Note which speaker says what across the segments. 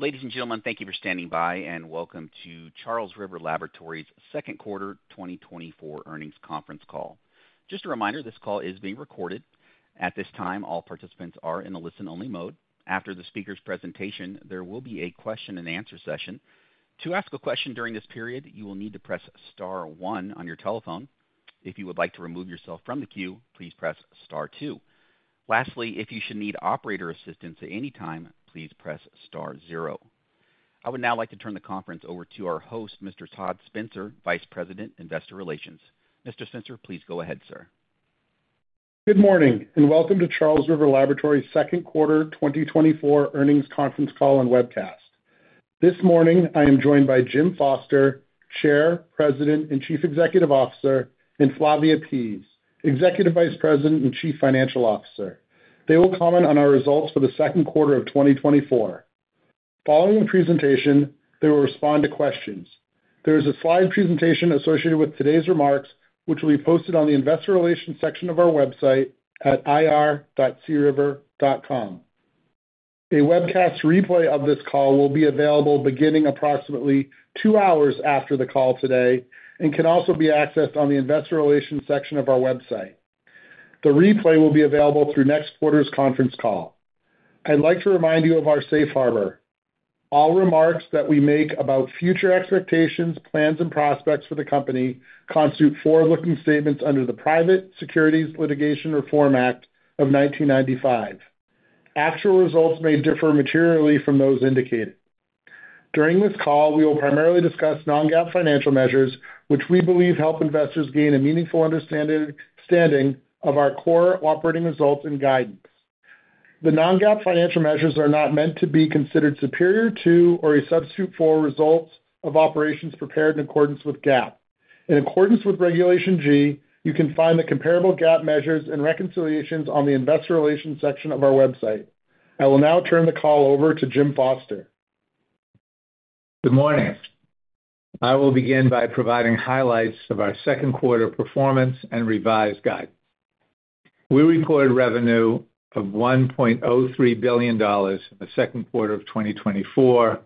Speaker 1: Ladies and gentlemen, thank you for standing by, and welcome to Charles River Laboratories' second quarter 2024 earnings conference call. Just a reminder, this call is being recorded. At this time, all participants are in a listen-only mode. After the speaker's presentation, there will be a question-and-answer session. To ask a question during this period, you will need to press star one on your telephone. If you would like to remove yourself from the queue, please press star two. Lastly, if you should need operator assistance at any time, please press star zero. I would now like to turn the conference over to our host, Mr. Todd Spencer, Vice President, Investor Relations. Mr. Spencer, please go ahead, sir.
Speaker 2: Good morning, and welcome to Charles River Laboratories' second quarter 2024 earnings conference call and webcast. This morning, I am joined by Jim Foster, Chair, President, and Chief Executive Officer, and Flavia Pease, Executive Vice President and Chief Financial Officer. They will comment on our results for the second quarter of 2024. Following the presentation, they will respond to questions. There is a slide presentation associated with today's remarks, which will be posted on the investor relations section of our website at ir.criver.com. A webcast replay of this call will be available beginning approximately 2 hours after the call today and can also be accessed on the investor relations section of our website. The replay will be available through next quarter's conference call. I'd like to remind you of our safe harbor. All remarks that we make about future expectations, plans, and prospects for the company constitute forward-looking statements under the Private Securities Litigation Reform Act of 1995. Actual results may differ materially from those indicated. During this call, we will primarily discuss non-GAAP financial measures, which we believe help investors gain a meaningful understanding of our core operating results and guidance. The non-GAAP financial measures are not meant to be considered superior to or a substitute for results of operations prepared in accordance with GAAP. In accordance with Regulation G, you can find the comparable GAAP measures and reconciliations on the investor relations section of our website. I will now turn the call over to Jim Foster.
Speaker 3: Good morning. I will begin by providing highlights of our second quarter performance and revised guidance. We reported revenue of $1.03 billion in the second quarter of 2024,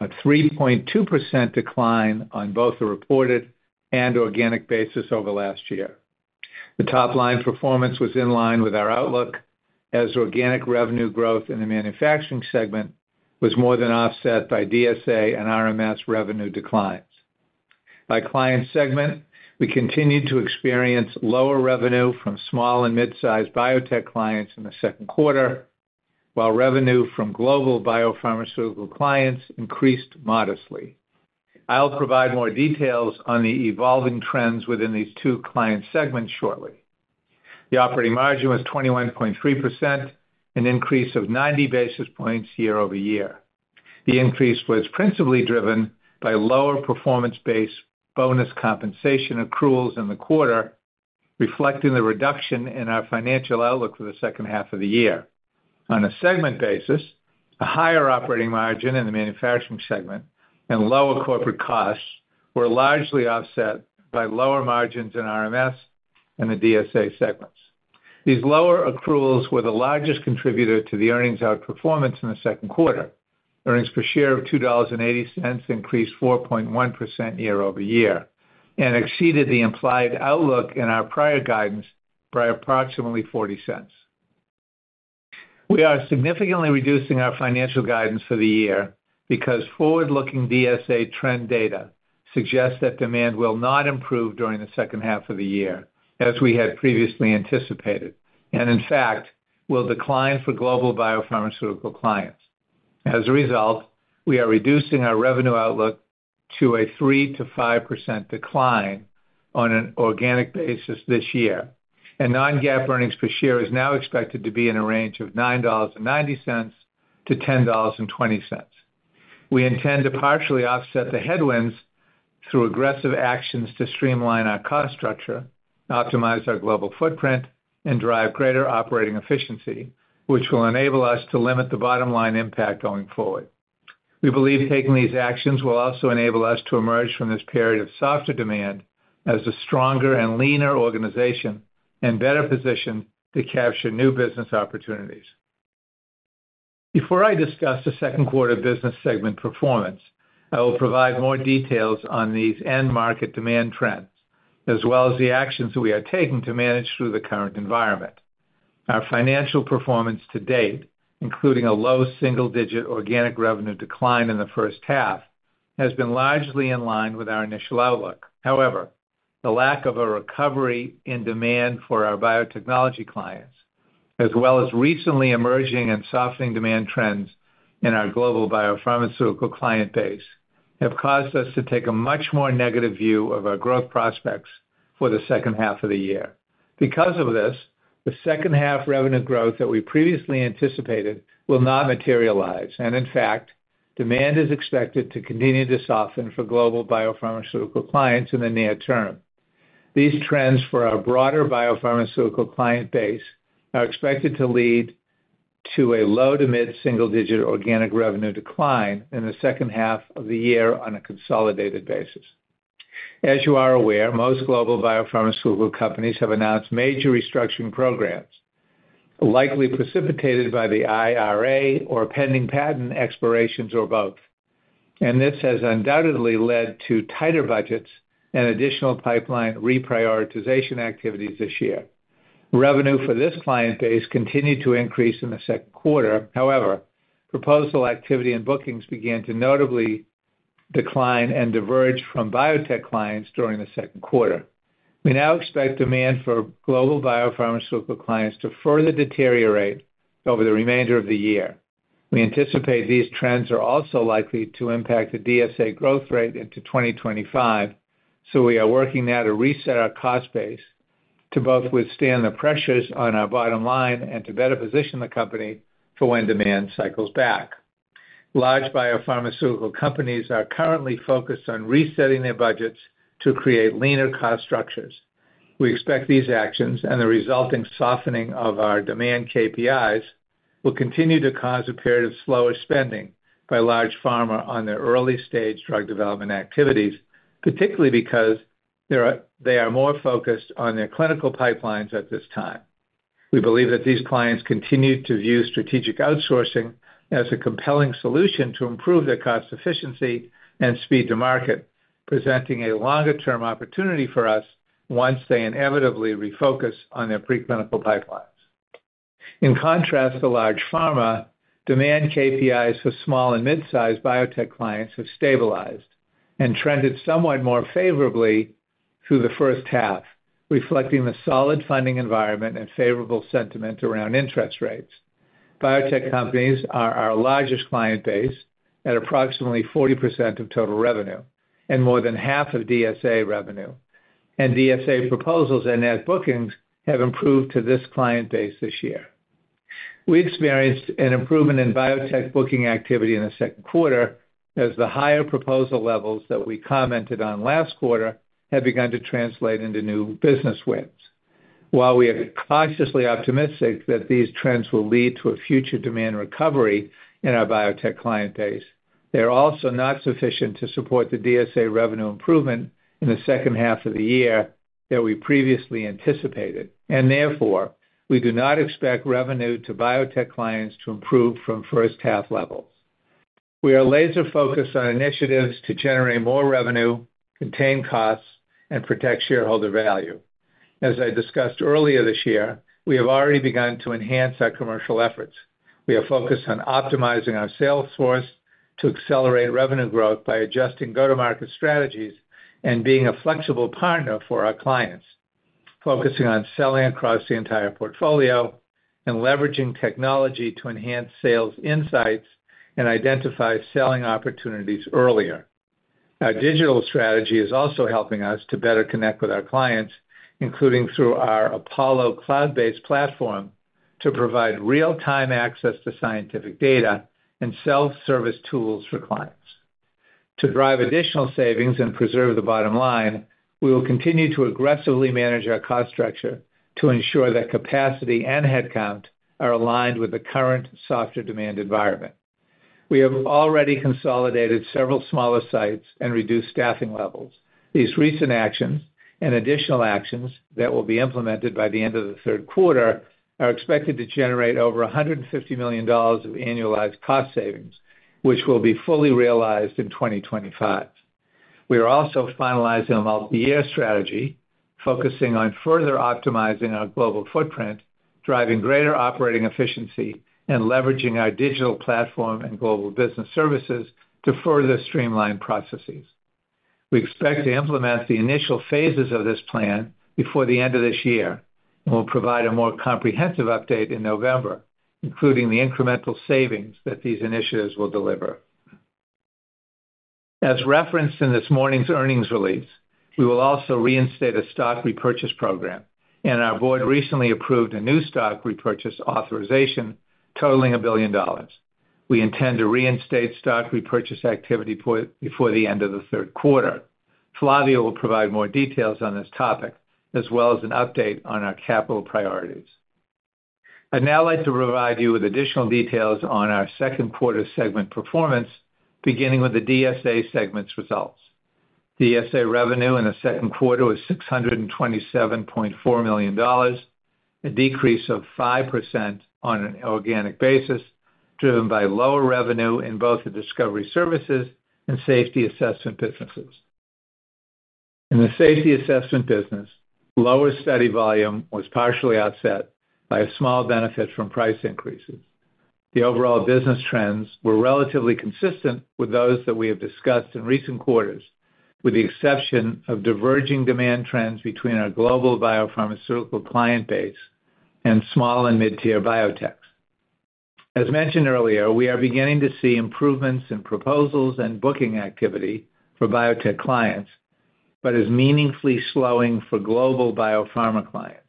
Speaker 3: a 3.2% decline on both the reported and organic basis over last year. The top-line performance was in line with our outlook as organic revenue growth in the manufacturing segment was more than offset by DSA and RMS revenue declines. By client segment, we continued to experience lower revenue from small and mid-sized biotech clients in the second quarter, while revenue from global biopharmaceutical clients increased modestly. I'll provide more details on the evolving trends within these two client segments shortly. The operating margin was 21.3%, an increase of 90 basis points year-over-year. The increase was principally driven by lower performance-based bonus compensation accruals in the quarter, reflecting the reduction in our financial outlook for the second half of the year. On a segment basis, a higher operating margin in the manufacturing segment and lower corporate costs were largely offset by lower margins in RMS and the DSA segments. These lower accruals were the largest contributor to the earnings outperformance in the second quarter. Earnings per share of $2.80 increased 4.1% year-over-year and exceeded the implied outlook in our prior guidance by approximately $0.40. We are significantly reducing our financial guidance for the year because forward-looking DSA trend data suggests that demand will not improve during the second half of the year, as we had previously anticipated, and in fact, will decline for global biopharmaceutical clients. As a result, we are reducing our revenue outlook to a 3%-5% decline on an organic basis this year, and non-GAAP earnings per share is now expected to be in a range of $9.90-$10.20. We intend to partially offset the headwinds through aggressive actions to streamline our cost structure, optimize our global footprint, and drive greater operating efficiency, which will enable us to limit the bottom-line impact going forward. We believe taking these actions will also enable us to emerge from this period of softer demand as a stronger and leaner organization and better positioned to capture new business opportunities. Before I discuss the second quarter business segment performance, I will provide more details on these end-market demand trends, as well as the actions we are taking to manage through the current environment. Our financial performance to date, including a low single-digit organic revenue decline in the first half, has been largely in line with our initial outlook. However, the lack of a recovery in demand for our biotechnology clients, as well as recently emerging and softening demand trends in our global biopharmaceutical client base, have caused us to take a much more negative view of our growth prospects for the second half of the year. Because of this, the second-half revenue growth that we previously anticipated will not materialize, and in fact, demand is expected to continue to soften for global biopharmaceutical clients in the near term. These trends for our broader biopharmaceutical client base are expected to lead to a low- to mid-single-digit organic revenue decline in the second half of the year on a consolidated basis.... As you are aware, most global biopharmaceutical companies have announced major restructuring programs, likely precipitated by the IRA or pending patent expirations or both, and this has undoubtedly led to tighter budgets and additional pipeline reprioritization activities this year. Revenue for this client base continued to increase in the second quarter. However, proposal activity and bookings began to notably decline and diverge from biotech clients during the second quarter. We now expect demand for global biopharmaceutical clients to further deteriorate over the remainder of the year. We anticipate these trends are also likely to impact the DSA growth rate into 2025, so we are working now to reset our cost base to both withstand the pressures on our bottom line and to better position the company for when demand cycles back. Large biopharmaceutical companies are currently focused on resetting their budgets to create leaner cost structures. We expect these actions and the resulting softening of our demand KPIs will continue to cause a period of slower spending by large pharma on their early-stage drug development activities, particularly because they are more focused on their clinical pipelines at this time. We believe that these clients continue to view strategic outsourcing as a compelling solution to improve their cost efficiency and speed to market, presenting a longer-term opportunity for us once they inevitably refocus on their preclinical pipelines. In contrast to large pharma, demand KPIs for small and mid-sized biotech clients have stabilized and trended somewhat more favorably through the first half, reflecting the solid funding environment and favorable sentiment around interest rates. Biotech companies are our largest client base at approximately 40% of total revenue and more than half of DSA revenue, and DSA proposals and net bookings have improved to this client base this year. We experienced an improvement in biotech booking activity in the second quarter, as the higher proposal levels that we commented on last quarter have begun to translate into new business wins. While we are cautiously optimistic that these trends will lead to a future demand recovery in our biotech client base, they are also not sufficient to support the DSA revenue improvement in the second half of the year that we previously anticipated, and therefore, we do not expect revenue to biotech clients to improve from first-half levels. We are laser-focused on initiatives to generate more revenue, contain costs, and protect shareholder value. As I discussed earlier this year, we have already begun to enhance our commercial efforts. We are focused on optimizing our sales force to accelerate revenue growth by adjusting go-to-market strategies and being a flexible partner for our clients, focusing on selling across the entire portfolio and leveraging technology to enhance sales insights and identify selling opportunities earlier. Our digital strategy is also helping us to better connect with our clients, including through our Apollo cloud-based platform, to provide real-time access to scientific data and self-service tools for clients. To drive additional savings and preserve the bottom line, we will continue to aggressively manage our cost structure to ensure that capacity and headcount are aligned with the current softer demand environment. We have already consolidated several smaller sites and reduced staffing levels. These recent actions and additional actions that will be implemented by the end of the third quarter are expected to generate over $150 million of annualized cost savings, which will be fully realized in 2025. We are also finalizing a multiyear strategy, focusing on further optimizing our global footprint, driving greater operating efficiency, and leveraging our digital platform and global business services to further streamline processes. We expect to implement the initial phases of this plan before the end of this year, and we'll provide a more comprehensive update in November, including the incremental savings that these initiatives will deliver. As referenced in this morning's earnings release, we will also reinstate a stock repurchase program, and our board recently approved a new stock repurchase authorization totaling $1 billion. We intend to reinstate stock repurchase activity before the end of the third quarter. Flavia will provide more details on this topic, as well as an update on our capital priorities. I'd now like to provide you with additional details on our second quarter segment performance, beginning with the DSA segment's results. DSA revenue in the second quarter was $627.4 million, a decrease of 5% on an organic basis, driven by lower revenue in both the Discovery Services and Safety Assessment businesses. In the Safety Assessment business, lower study volume was partially offset by a small benefit from price increases. The overall business trends were relatively consistent with those that we have discussed in recent quarters, with the exception of diverging demand trends between our global biopharmaceutical client base and small and mid-tier biotechs. As mentioned earlier, we are beginning to see improvements in proposals and booking activity for biotech clients, but is meaningfully slowing for global biopharma clients.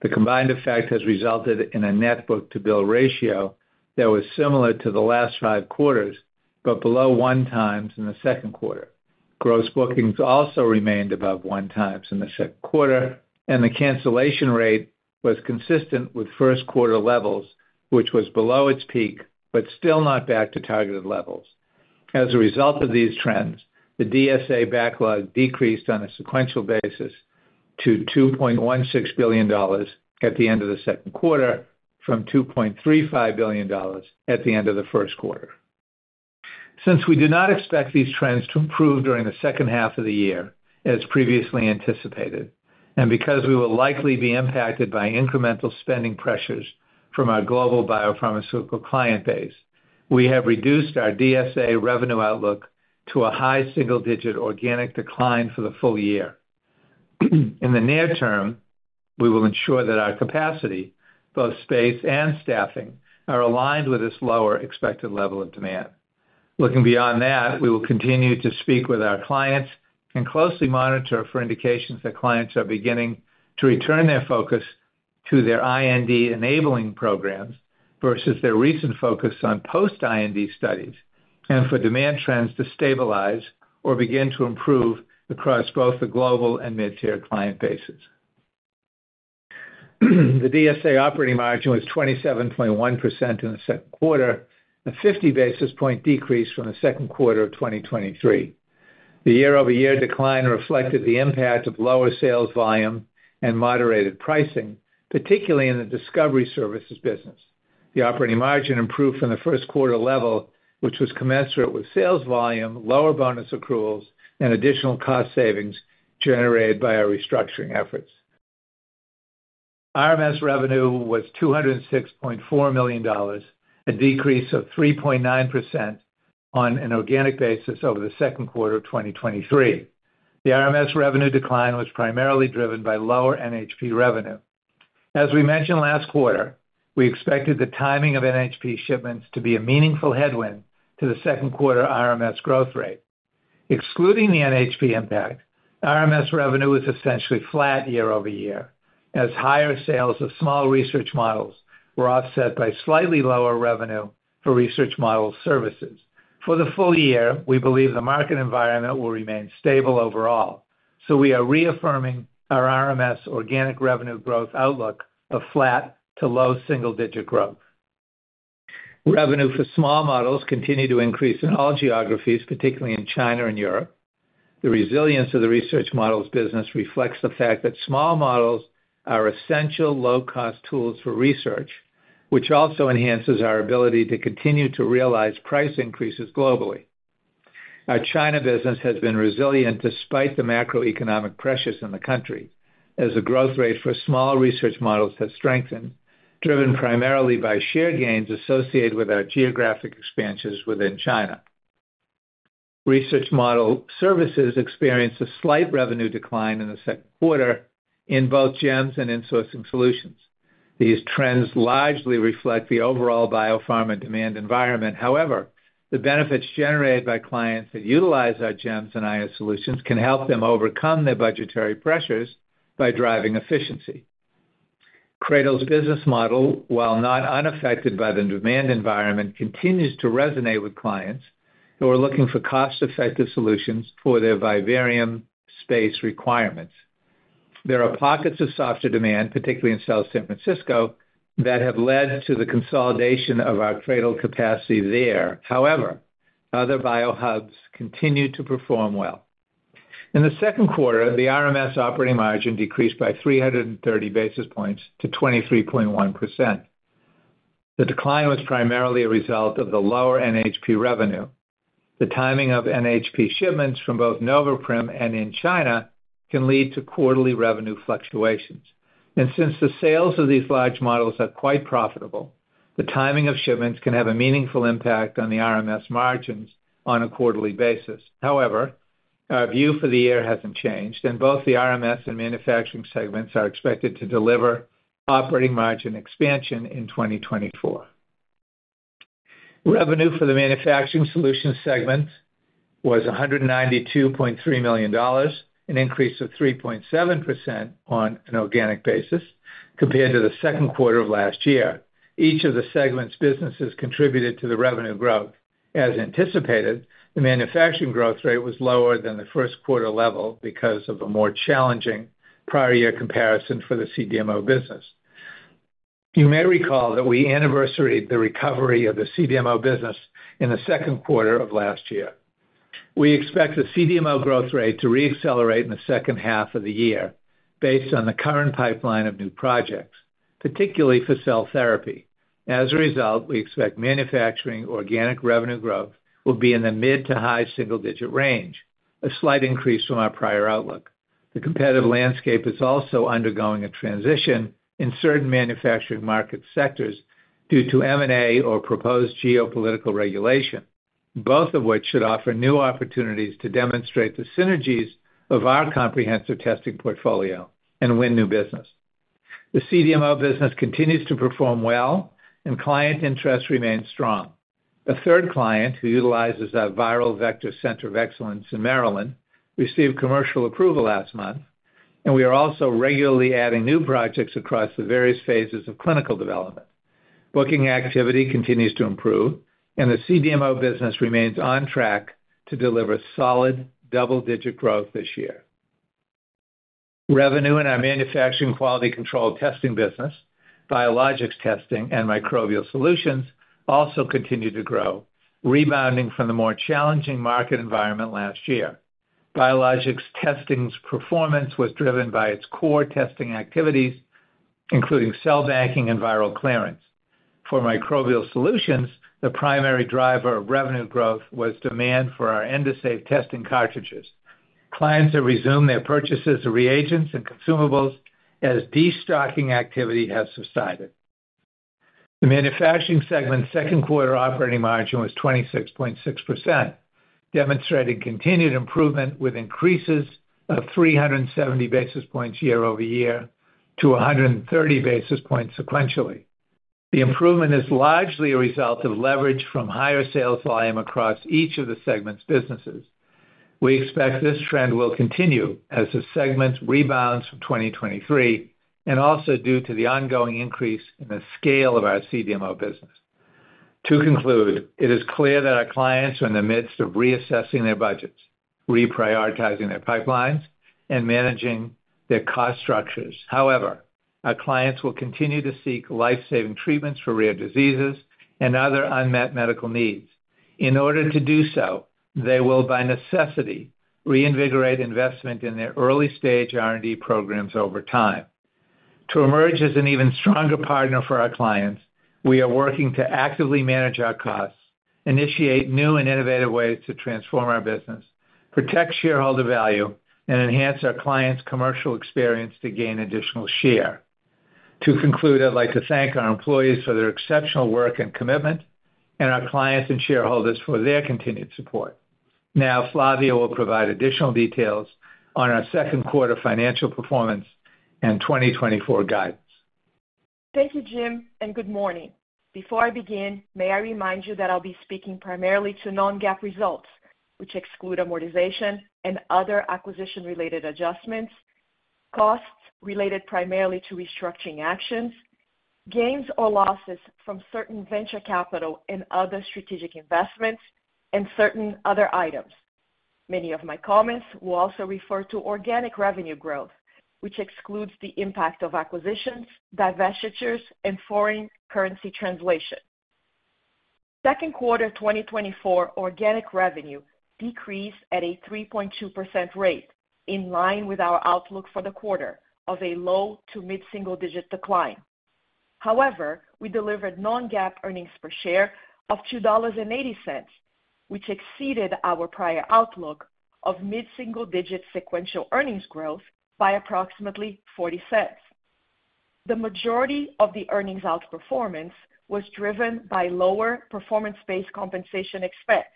Speaker 3: The combined effect has resulted in a net book-to-bill ratio that was similar to the last five quarters, but below 1x in the second quarter. Gross bookings also remained above 1x in the second quarter, and the cancellation rate was consistent with first quarter levels, which was below its peak, but still not back to targeted levels. As a result of these trends, the DSA backlog decreased on a sequential basis to $2.16 billion at the end of the second quarter, from $2.35 billion at the end of the first quarter. Since we do not expect these trends to improve during the second half of the year as previously anticipated, and because we will likely be impacted by incremental spending pressures from our global biopharmaceutical client base, we have reduced our DSA revenue outlook to a high single-digit organic decline for the full year. In the near term, we will ensure that our capacity, both space and staffing, are aligned with this lower expected level of demand. Looking beyond that, we will continue to speak with our clients and closely monitor for indications that clients are beginning to return their focus to their IND enabling programs versus their recent focus on post-IND studies, and for demand trends to stabilize or begin to improve across both the global and mid-tier client bases. The DSA operating margin was 27.1% in the second quarter, a 50 basis point decrease from the second quarter of 2023. The year-over-year decline reflected the impact of lower sales volume and moderated pricing, particularly in the Discovery Services business. The operating margin improved from the first quarter level, which was commensurate with sales volume, lower bonus accruals, and additional cost savings generated by our restructuring efforts. RMS revenue was $206.4 million, a decrease of 3.9% on an organic basis over the second quarter of 2023. The RMS revenue decline was primarily driven by lower NHP revenue. As we mentioned last quarter, we expected the timing of NHP shipments to be a meaningful headwind to the second quarter RMS growth rate. Excluding the NHP impact, RMS revenue was essentially flat year-over-year, as higher sales of small research models were offset by slightly lower revenue for research model services. For the full year, we believe the market environment will remain stable overall, so we are reaffirming our RMS organic revenue growth outlook of flat to low single-digit growth. Revenue for small models continued to increase in all geographies, particularly in China and Europe. The resilience of the research models business reflects the fact that small models are essential low-cost tools for research, which also enhances our ability to continue to realize price increases globally. Our China business has been resilient despite the macroeconomic pressures in the country, as the growth rate for small research models has strengthened, driven primarily by share gains associated with our geographic expansions within China. Research Models and Services experienced a slight revenue decline in the second quarter in both GEMS and Insourcing Solutions. These trends largely reflect the overall biopharma demand environment. However, the benefits generated by clients that utilize our GEMS and IS solutions can help them overcome their budgetary pressures by driving efficiency. CRADL's business model, while not unaffected by the demand environment, continues to resonate with clients who are looking for cost-effective solutions for their vivarium space requirements. There are pockets of softer demand, particularly in South San Francisco, that have led to the consolidation of our CRADL capacity there. However, other bio hubs continue to perform well. In the second quarter, the RMS operating margin decreased by 330 basis points to 23.1%. The decline was primarily a result of the lower NHP revenue. The timing of NHP shipments from both Noveprim and in China can lead to quarterly revenue fluctuations. Since the sales of these large models are quite profitable, the timing of shipments can have a meaningful impact on the RMS margins on a quarterly basis. However, our view for the year hasn't changed, and both the RMS and manufacturing segments are expected to deliver operating margin expansion in 2024. Revenue for the Manufacturing Solutions segment was $192.3 million, an increase of 3.7% on an organic basis compared to the second quarter of last year. Each of the segment's businesses contributed to the revenue growth. As anticipated, the manufacturing growth rate was lower than the first quarter level because of a more challenging prior year comparison for the CDMO business. You may recall that we anniversaried the recovery of the CDMO business in the second quarter of last year. We expect the CDMO growth rate to re-accelerate in the second half of the year based on the current pipeline of new projects, particularly for cell therapy. As a result, we expect manufacturing organic revenue growth will be in the mid- to high-single-digit range, a slight increase from our prior outlook. The competitive landscape is also undergoing a transition in certain manufacturing market sectors due to M&A or proposed geopolitical regulation, both of which should offer new opportunities to demonstrate the synergies of our comprehensive testing portfolio and win new business. The CDMO business continues to perform well, and client interest remains strong. A third client, who utilizes our Viral Vector Center of Excellence in Maryland, received commercial approval last month, and we are also regularly adding new projects across the various phases of clinical development. Booking activity continues to improve, and the CDMO business remains on track to deliver solid double-digit growth this year. Revenue in our manufacturing quality control testing business, Biologics Testing, and Microbial Solutions also continued to grow, rebounding from the more challenging market environment last year. Biologics Testing's performance was driven by its core testing activities, including cell banking and viral clearance. For Microbial Solutions, the primary driver of revenue growth was demand for our Endosafe testing cartridges. Clients have resumed their purchases of reagents and consumables as destocking activity has subsided. The manufacturing segment's second quarter operating margin was 26.6%, demonstrating continued improvement, with increases of 370 basis points year-over-year to 130 basis points sequentially. The improvement is largely a result of leverage from higher sales volume across each of the segment's businesses. We expect this trend will continue as the segment rebounds from 2023, and also due to the ongoing increase in the scale of our CDMO business. To conclude, it is clear that our clients are in the midst of reassessing their budgets, reprioritizing their pipelines, and managing their cost structures. However, our clients will continue to seek life-saving treatments for rare diseases and other unmet medical needs. In order to do so, they will, by necessity, reinvigorate investment in their early-stage R&D programs over time. To emerge as an even stronger partner for our clients, we are working to actively manage our costs, initiate new and innovative ways to transform our business, protect shareholder value, and enhance our clients' commercial experience to gain additional share. To conclude, I'd like to thank our employees for their exceptional work and commitment, and our clients and shareholders for their continued support. Now, Flavia will provide additional details on our second quarter financial performance and 2024 guidance.
Speaker 4: Thank you, Jim, and good morning. Before I begin, may I remind you that I'll be speaking primarily to non-GAAP results, which exclude amortization and other acquisition-related adjustments, costs related primarily to restructuring actions, gains or losses from certain venture capital and other strategic investments, and certain other items. Many of my comments will also refer to organic revenue growth, which excludes the impact of acquisitions, divestitures, and foreign currency translation. Second quarter 2024 organic revenue decreased at a 3.2% rate, in line with our outlook for the quarter of a low- to mid-single-digit decline. However, we delivered non-GAAP earnings per share of $2.80, which exceeded our prior outlook of mid-single-digit sequential earnings growth by approximately $0.40. The majority of the earnings outperformance was driven by lower performance-based compensation expense.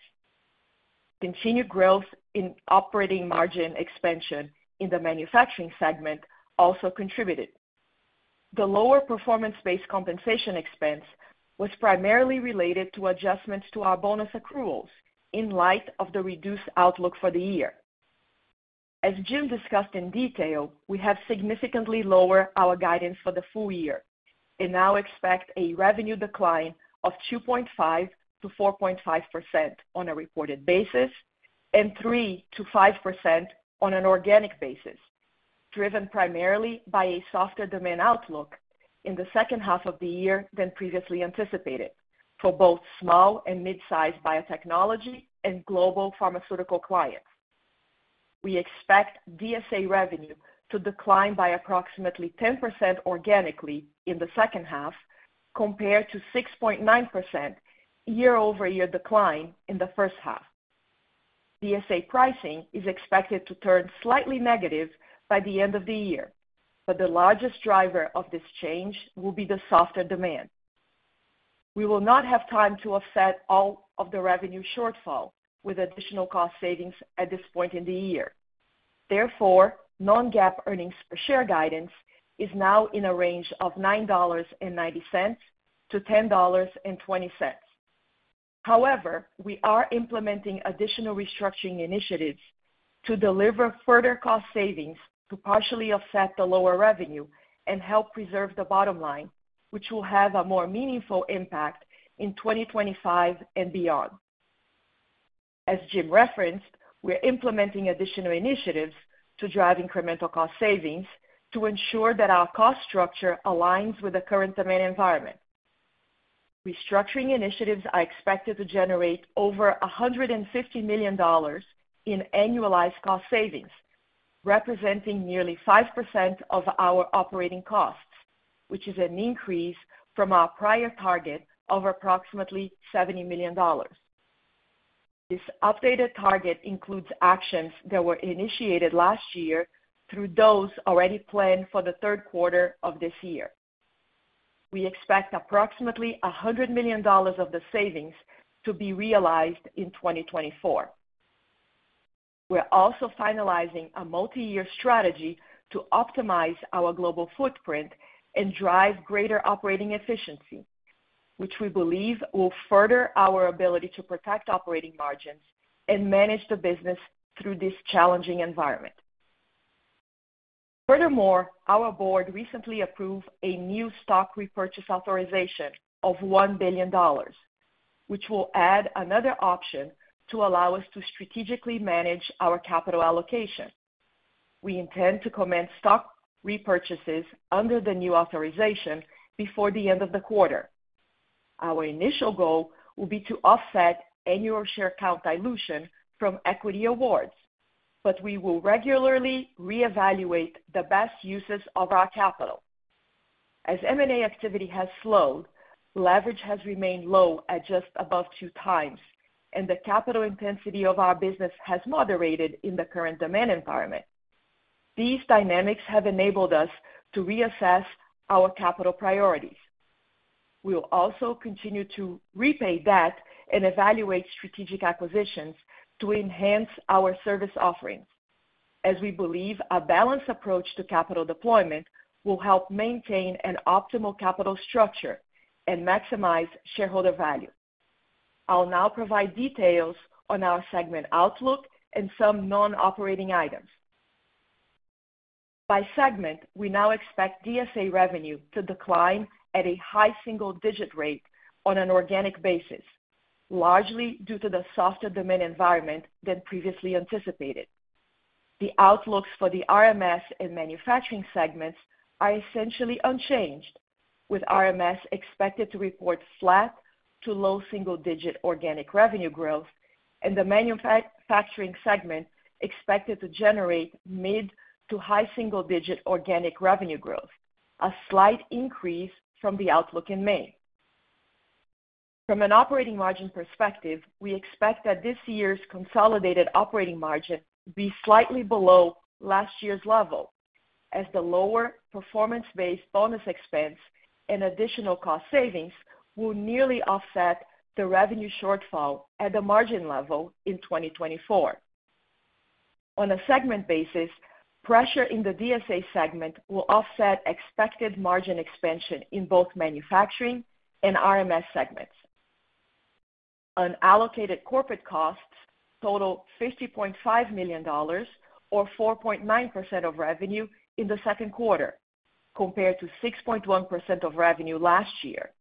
Speaker 4: Continued growth in operating margin expansion in the manufacturing segment also contributed. The lower performance-based compensation expense was primarily related to adjustments to our bonus accruals in light of the reduced outlook for the year. As Jim discussed in detail, we have significantly lower our guidance for the full year and now expect a revenue decline of 2.5%-4.5% on a reported basis and 3%-5% on an organic basis, driven primarily by a softer demand outlook in the second half of the year than previously anticipated for both small and mid-sized biotechnology and global pharmaceutical clients. We expect DSA revenue to decline by approximately 10% organically in the second half, compared to 6.9% year-over-year decline in the first half. DSA pricing is expected to turn slightly negative by the end of the year, but the largest driver of this change will be the softer demand. We will not have time to offset all of the revenue shortfall with additional cost savings at this point in the year. Therefore, non-GAAP earnings per share guidance is now in a range of $9.90-$10.20. However, we are implementing additional restructuring initiatives to deliver further cost savings to partially offset the lower revenue and help preserve the bottom line, which will have a more meaningful impact in 2025 and beyond. As Jim referenced, we are implementing additional initiatives to drive incremental cost savings to ensure that our cost structure aligns with the current demand environment. Restructuring initiatives are expected to generate over $150 million in annualized cost savings, representing nearly 5% of our operating costs, which is an increase from our prior target of approximately $70 million. This updated target includes actions that were initiated last year through those already planned for the third quarter of this year. We expect approximately $100 million of the savings to be realized in 2024. We're also finalizing a multiyear strategy to optimize our global footprint and drive greater operating efficiency, which we believe will further our ability to protect operating margins and manage the business through this challenging environment. Furthermore, our board recently approved a new stock repurchase authorization of $1 billion, which will add another option to allow us to strategically manage our capital allocation. We intend to commence stock repurchases under the new authorization before the end of the quarter. Our initial goal will be to offset annual share count dilution from equity awards, but we will regularly reevaluate the best uses of our capital. As M&A activity has slowed, leverage has remained low at just above 2 times, and the capital intensity of our business has moderated in the current demand environment. These dynamics have enabled us to reassess our capital priorities. We will also continue to repay debt and evaluate strategic acquisitions to enhance our service offerings, as we believe a balanced approach to capital deployment will help maintain an optimal capital structure and maximize shareholder value. I'll now provide details on our segment outlook and some non-operating items. By segment, we now expect DSA revenue to decline at a high single-digit rate on an organic basis, largely due to the softer demand environment than previously anticipated. The outlooks for the RMS and manufacturing segments are essentially unchanged, with RMS expected to report flat to low single-digit organic revenue growth and the manufacturing segment expected to generate mid to high single-digit organic revenue growth, a slight increase from the outlook in May. From an operating margin perspective, we expect that this year's consolidated operating margin will be slightly below last year's level, as the lower performance-based bonus expense and additional cost savings will nearly offset the revenue shortfall at the margin level in 2024. On a segment basis, pressure in the DSA segment will offset expected margin expansion in both manufacturing and RMS segments. Unallocated corporate costs total $50.5 million, or 4.9% of revenue in the second quarter, compared to 6.1% of revenue last year.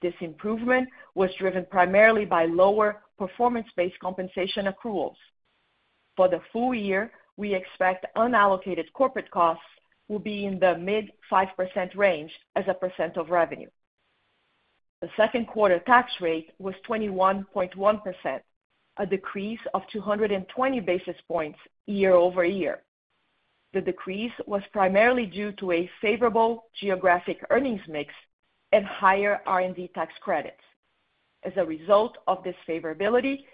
Speaker 4: This improvement was driven primarily by lower performance-based compensation accruals. For the full year, we expect unallocated corporate costs will be in the mid-5% range as a percent of revenue. The second quarter tax rate was 21.1%, a decrease of 220 basis points year-over-year. The decrease was primarily due to a favorable geographic earnings mix and higher R&D tax credits. As a result of this favorability,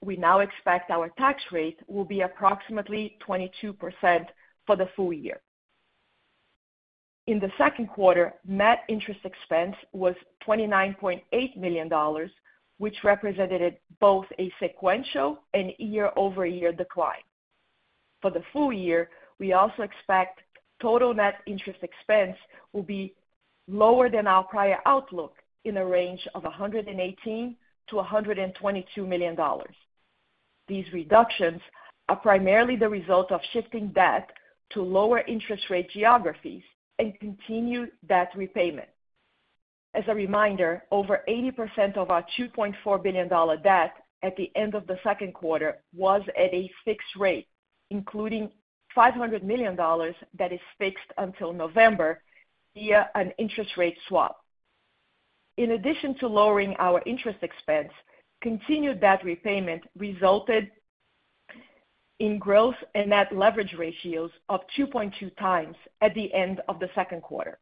Speaker 4: we now expect our tax rate will be approximately 22% for the full year. In the second quarter, net interest expense was $29.8 million, which represented both a sequential and year-over-year decline. For the full year, we also expect total net interest expense will be lower than our prior outlook, in a range of $118 million-$122 million. These reductions are primarily the result of shifting debt to lower interest rate geographies and continued debt repayment. As a reminder, over 80% of our $2.4 billion debt at the end of the second quarter was at a fixed rate, including $500 million that is fixed until November via an interest rate swap. In addition to lowering our interest expense, continued debt repayment resulted in growth in net leverage ratios of 2.2 times at the end of the second quarter.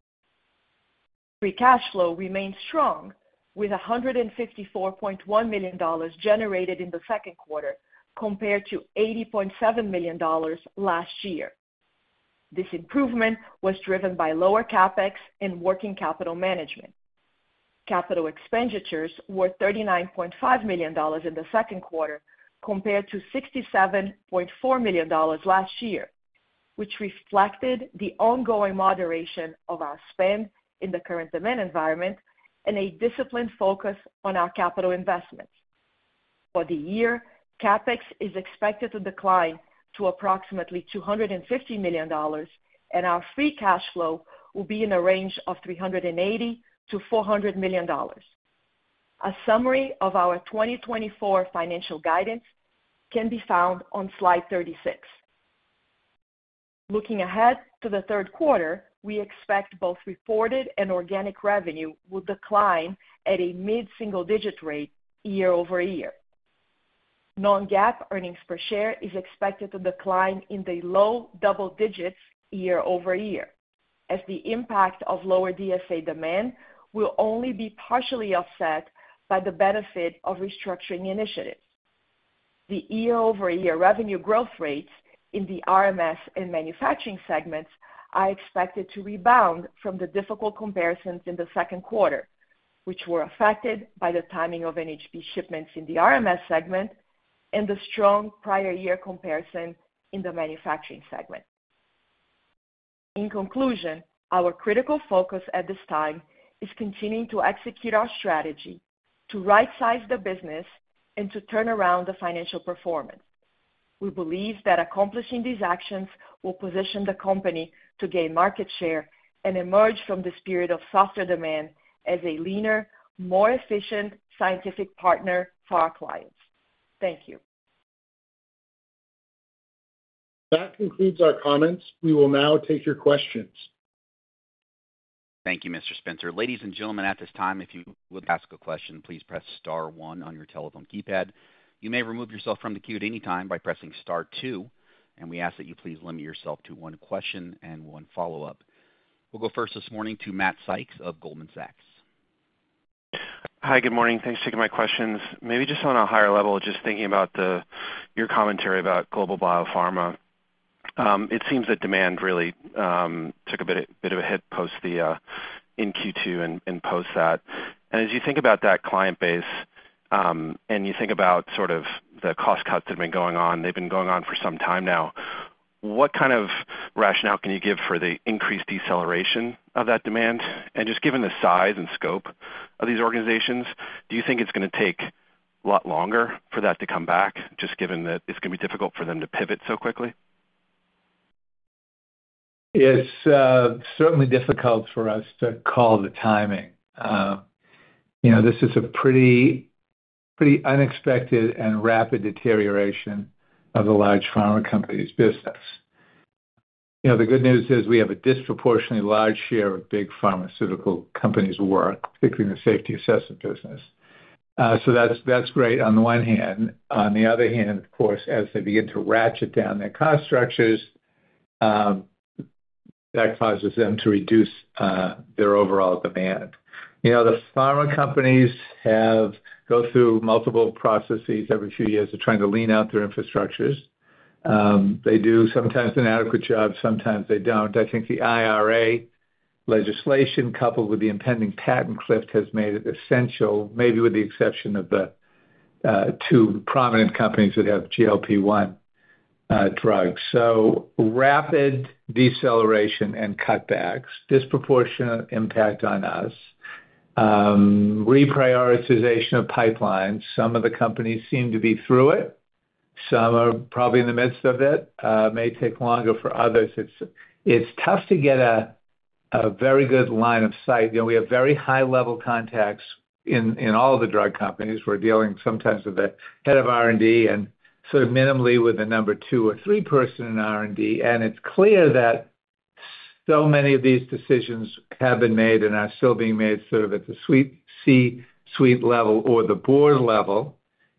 Speaker 4: Free cash flow remained strong, with $154.1 million generated in the second quarter, compared to $80.7 million last year. This improvement was driven by lower CapEx and working capital management. Capital expenditures were $39.5 million in the second quarter, compared to $67.4 million last year, which reflected the ongoing moderation of our spend in the current demand environment and a disciplined focus on our capital investments. For the year, CapEx is expected to decline to approximately $250 million, and our free cash flow will be in a range of $380 million-$400 million. A summary of our 2024 financial guidance can be found on slide 36. Looking ahead to the third quarter, we expect both reported and organic revenue will decline at a mid-single-digit rate year-over-year. Non-GAAP earnings per share is expected to decline in the low double digits year-over-year, as the impact of lower DSA demand will only be partially offset by the benefit of restructuring initiatives. The year-over-year revenue growth rates in the RMS and manufacturing segments are expected to rebound from the difficult comparisons in the second quarter, which were affected by the timing of NHP shipments in the RMS segment and the strong prior year comparison in the manufacturing segment. In conclusion, our critical focus at this time is continuing to execute our strategy to rightsize the business and to turn around the financial performance. We believe that accomplishing these actions will position the company to gain market share and emerge from this period of softer demand as a leaner, more efficient scientific partner for our clients. Thank you.
Speaker 3: That concludes our comments. We will now take your questions.
Speaker 1: Thank you, Mr. Spencer. Ladies and gentlemen, at this time, if you would ask a question, please press star one on your telephone keypad. You may remove yourself from the queue at any time by pressing star two, and we ask that you please limit yourself to one question and one follow-up. We'll go first this morning to Matt Sykes of Goldman Sachs.
Speaker 5: Hi, good morning. Thanks for taking my questions. Maybe just on a higher level, just thinking about the, your commentary about global biopharma, it seems that demand really took a bit of a hit post the in Q2 and post that. And as you think about that client base, and you think about sort of the cost cuts that have been going on, they've been going on for some time now, what kind of rationale can you give for the increased deceleration of that demand? And just given the size and scope of these organizations, do you think it's gonna take a lot longer for that to come back, just given that it's gonna be difficult for them to pivot so quickly?
Speaker 3: It's certainly difficult for us to call the timing. You know, this is a pretty unexpected and rapid deterioration of the large pharma company's business. You know, the good news is we have a disproportionately large share of big pharmaceutical companies' work, particularly in the Safety Assessment business. So that's great on the one hand. On the other hand, of course, as they begin to ratchet down their cost structures, that causes them to reduce their overall demand. You know, the pharma companies have gone through multiple processes every few years of trying to lean out their infrastructures. They do sometimes an adequate job, sometimes they don't. I think the IRA legislation, coupled with the impending patent cliff, has made it essential, maybe with the exception of the two prominent companies that have GLP-1 drugs. So rapid deceleration and cutbacks, disproportionate impact on us, reprioritization of pipelines. Some of the companies seem to be through it, some are probably in the midst of it, may take longer for others. It's tough to get a very good line of sight. You know, we have very high-level contacts in all of the drug companies. We're dealing sometimes with the head of R&D and sort of minimally with the number two or three person in R&D. And it's clear that so many of these decisions have been made and are still being made sort of at the C-suite level or the board level.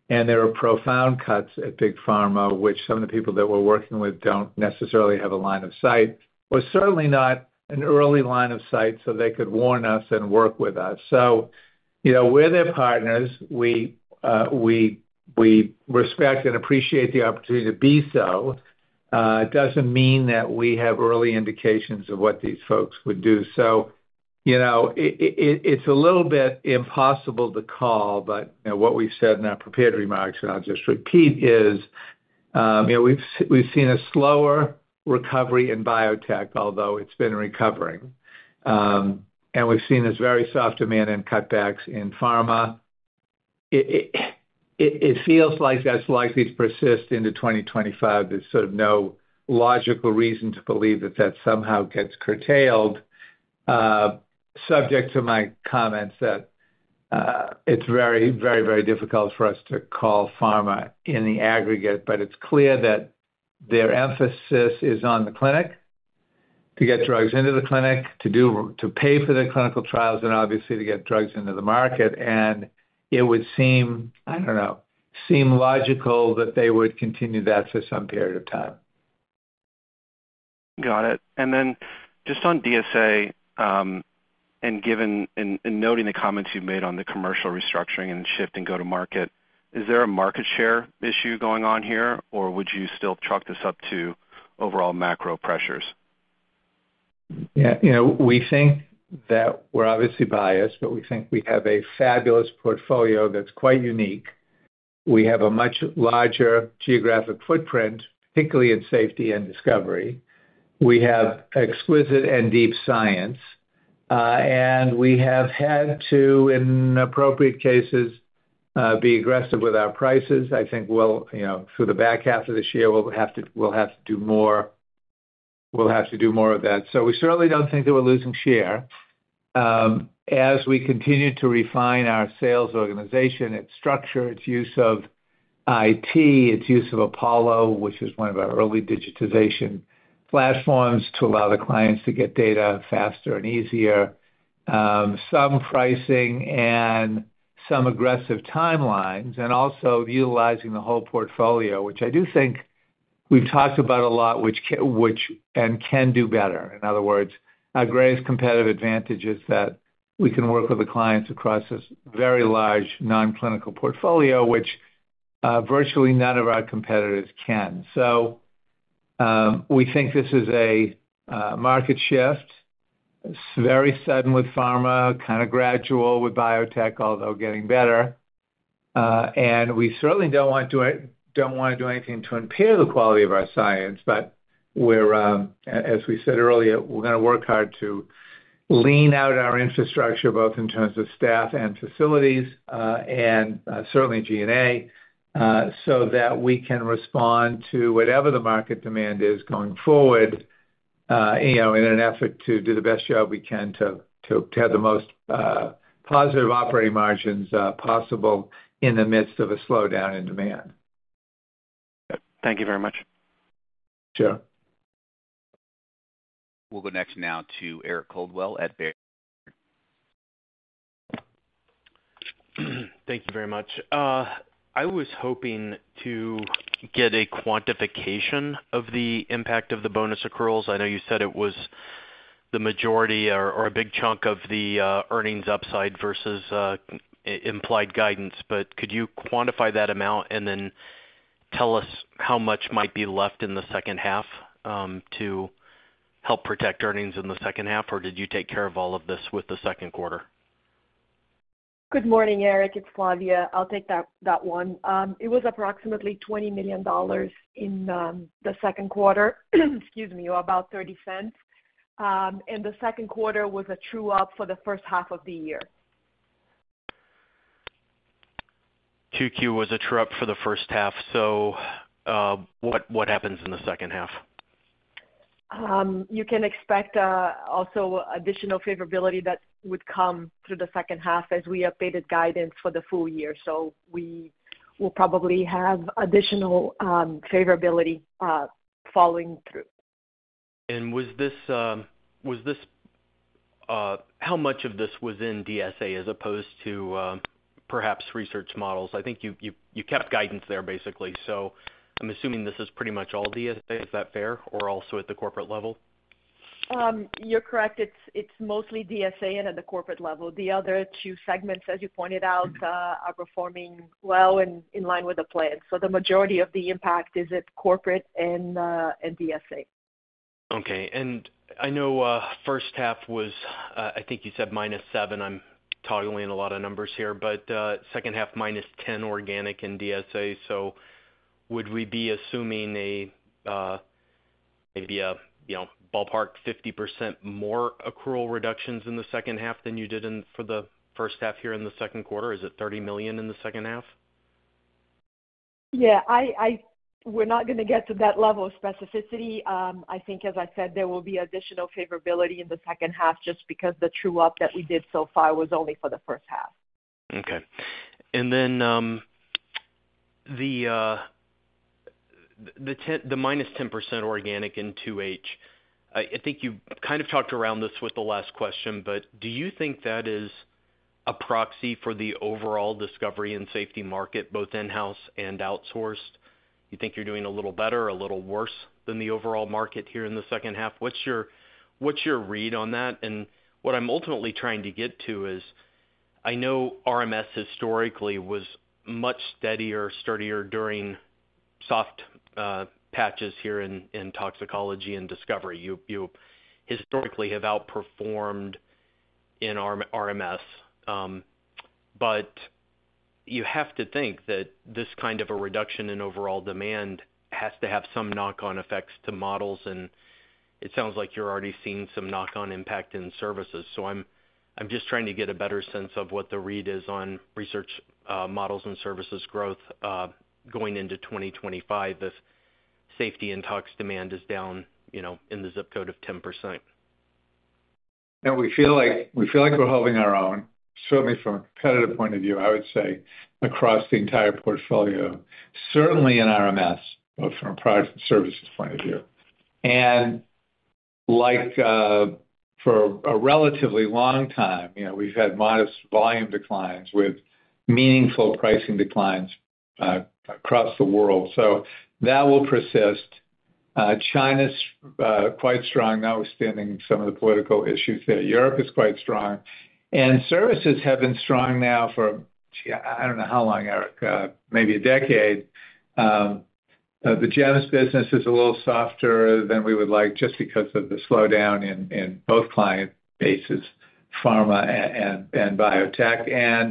Speaker 3: There are profound cuts at big pharma, which some of the people that we're working with don't necessarily have a line of sight, or certainly not an early line of sight, so they could warn us and work with us. So, you know, we're their partners. We respect and appreciate the opportunity to be so. It doesn't mean that we have early indications of what these folks would do. So, you know, it's a little bit impossible to call, but, you know, what we've said in our prepared remarks, and I'll just repeat, is, you know, we've seen a slower recovery in biotech, although it's been recovering. And we've seen this very soft demand and cutbacks in pharma. It feels like that's likely to persist into 2025. There's sort of no logical reason to believe that that somehow gets curtailed, subject to my comments that, it's very, very, very difficult for us to call pharma in the aggregate. But it's clear that their emphasis is on the clinic, to get drugs into the clinic, to pay for the clinical trials, and obviously to get drugs into the market. And it would seem, I don't know, seem logical that they would continue that for some period of time.
Speaker 5: Got it. And then just on DSA, given and noting the comments you've made on the commercial restructuring and shift in go-to-market, is there a market share issue going on here? Or would you still chalk this up to overall macro pressures?
Speaker 3: Yeah, you know, we think that we're obviously biased, but we think we have a fabulous portfolio that's quite unique. We have a much larger geographic footprint, particularly in safety and discovery. We have exquisite and deep science, and we have had to, in appropriate cases, be aggressive with our prices. I think we'll, you know, through the back half of this year, we'll have to, we'll have to do more... We'll have to do more of that. So we certainly don't think that we're losing share. As we continue to refine our sales organization, its structure, its use of IT, its use of Apollo, which is one of our early digitization platforms, to allow the clients to get data faster and easier. Some pricing and some aggressive timelines, and also utilizing the whole portfolio, which I do think we've talked about a lot, and can do better. In other words, our greatest competitive advantage is that we can work with the clients across this very large non-clinical portfolio, which, virtually none of our competitors can. So, we think this is a market shift. It's very sudden with pharma, kind of gradual with biotech, although getting better. And we certainly don't want to do it, don't wanna do anything to impair the quality of our science, but... where, as we said earlier, we're gonna work hard to lean out our infrastructure, both in terms of staff and facilities, and certainly G&A, so that we can respond to whatever the market demand is going forward, you know, in an effort to do the best job we can to have the most positive operating margins possible in the midst of a slowdown in demand.
Speaker 4: Thank you very much.
Speaker 3: Sure.
Speaker 1: We'll go next now to Eric Coldwell at Baird.
Speaker 6: Thank you very much. I was hoping to get a quantification of the impact of the bonus accruals. I know you said it was the majority or, or a big chunk of the earnings upside versus implied guidance, but could you quantify that amount and then tell us how much might be left in the second half to help protect earnings in the second half? Or did you take care of all of this with the second quarter?
Speaker 4: Good morning, Eric. It's Flavia. I'll take that, that one. It was approximately $20 million in the second quarter, excuse me, or about $0.30. And the second quarter was a true up for the first half of the year.
Speaker 6: 2Q was a true up for the first half, so, what, what happens in the second half?
Speaker 4: You can expect also additional favorability that would come through the second half as we updated guidance for the full year. So we will probably have additional favorability following through.
Speaker 6: And was this how much of this was in DSA as opposed to perhaps research models? I think you kept guidance there, basically, so I'm assuming this is pretty much all DSA. Is that fair, or also at the corporate level?
Speaker 4: You're correct. It's, it's mostly DSA and at the corporate level. The other two segments, as you pointed out, are performing well and in line with the plan. So the majority of the impact is at corporate and, and DSA.
Speaker 6: Okay. And I know, first half was, I think you said -7%. I'm toggling a lot of numbers here, but, second half, -10% organic in DSA. So would we be assuming a, maybe a, you know, ballpark 50% more accrual reductions in the second half than you did in-- for the first half here in the second quarter? Is it $30 million in the second half?
Speaker 4: Yeah, we're not gonna get to that level of specificity. I think, as I said, there will be additional favorability in the second half just because the true-up that we did so far was only for the first half.
Speaker 6: Okay. And then, the minus 10% organic in 2H, I think you kind of talked around this with the last question, but do you think that is a proxy for the overall discovery and safety market, both in-house and outsourced? You think you're doing a little better or a little worse than the overall market here in the second half? What's your read on that? And what I'm ultimately trying to get to is, I know RMS historically was much steadier, sturdier during soft patches here in toxicology and discovery. You historically have outperformed in RMS, but you have to think that this kind of a reduction in overall demand has to have some knock-on effects to models, and it sounds like you're already seeing some knock-on impact in services. I'm just trying to get a better sense of what the read is on Research Models and Services growth going into 2025 as safety and tox demand is down, you know, in the zip code of 10%.
Speaker 3: No, we feel like, we feel like we're holding our own, certainly from a competitive point of view, I would say, across the entire portfolio, certainly in RMS, but from a product and services point of view. And like, for a relatively long time, you know, we've had modest volume declines with meaningful pricing declines across the world. So that will persist. China's quite strong, notwithstanding some of the political issues there. Europe is quite strong, and services have been strong now for, I don't know how long, Eric, maybe a decade. The GEMS business is a little softer than we would like just because of the slowdown in both client bases, pharma and biotech.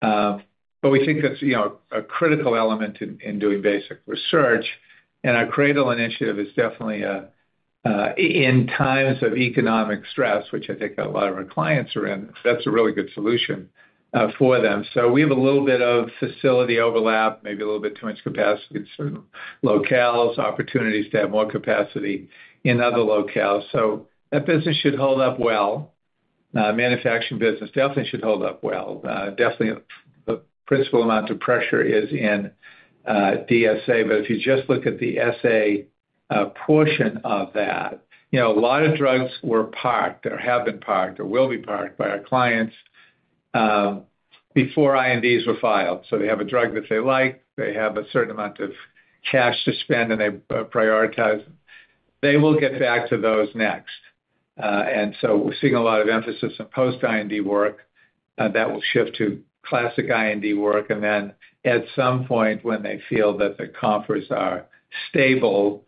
Speaker 3: But we think that's, you know, a critical element in doing basic research, and our CRADL initiative is definitely a in times of economic stress, which I think a lot of our clients are in. That's a really good solution for them. So we have a little bit of facility overlap, maybe a little bit too much capacity in certain locales, opportunities to have more capacity in other locales. So that business should hold up well. Manufacturing business definitely should hold up well. Definitely, the principal amount of pressure is in DSA, but if you just look at the SA portion of that, you know, a lot of drugs were parked or have been parked or will be parked by our clients before INDs were filed. So they have a drug that they like, they have a certain amount of cash to spend, and they prioritize. They will get back to those next. And so we're seeing a lot of emphasis on post-IND work that will shift to classic IND work, and then at some point when they feel that the conferences are stable,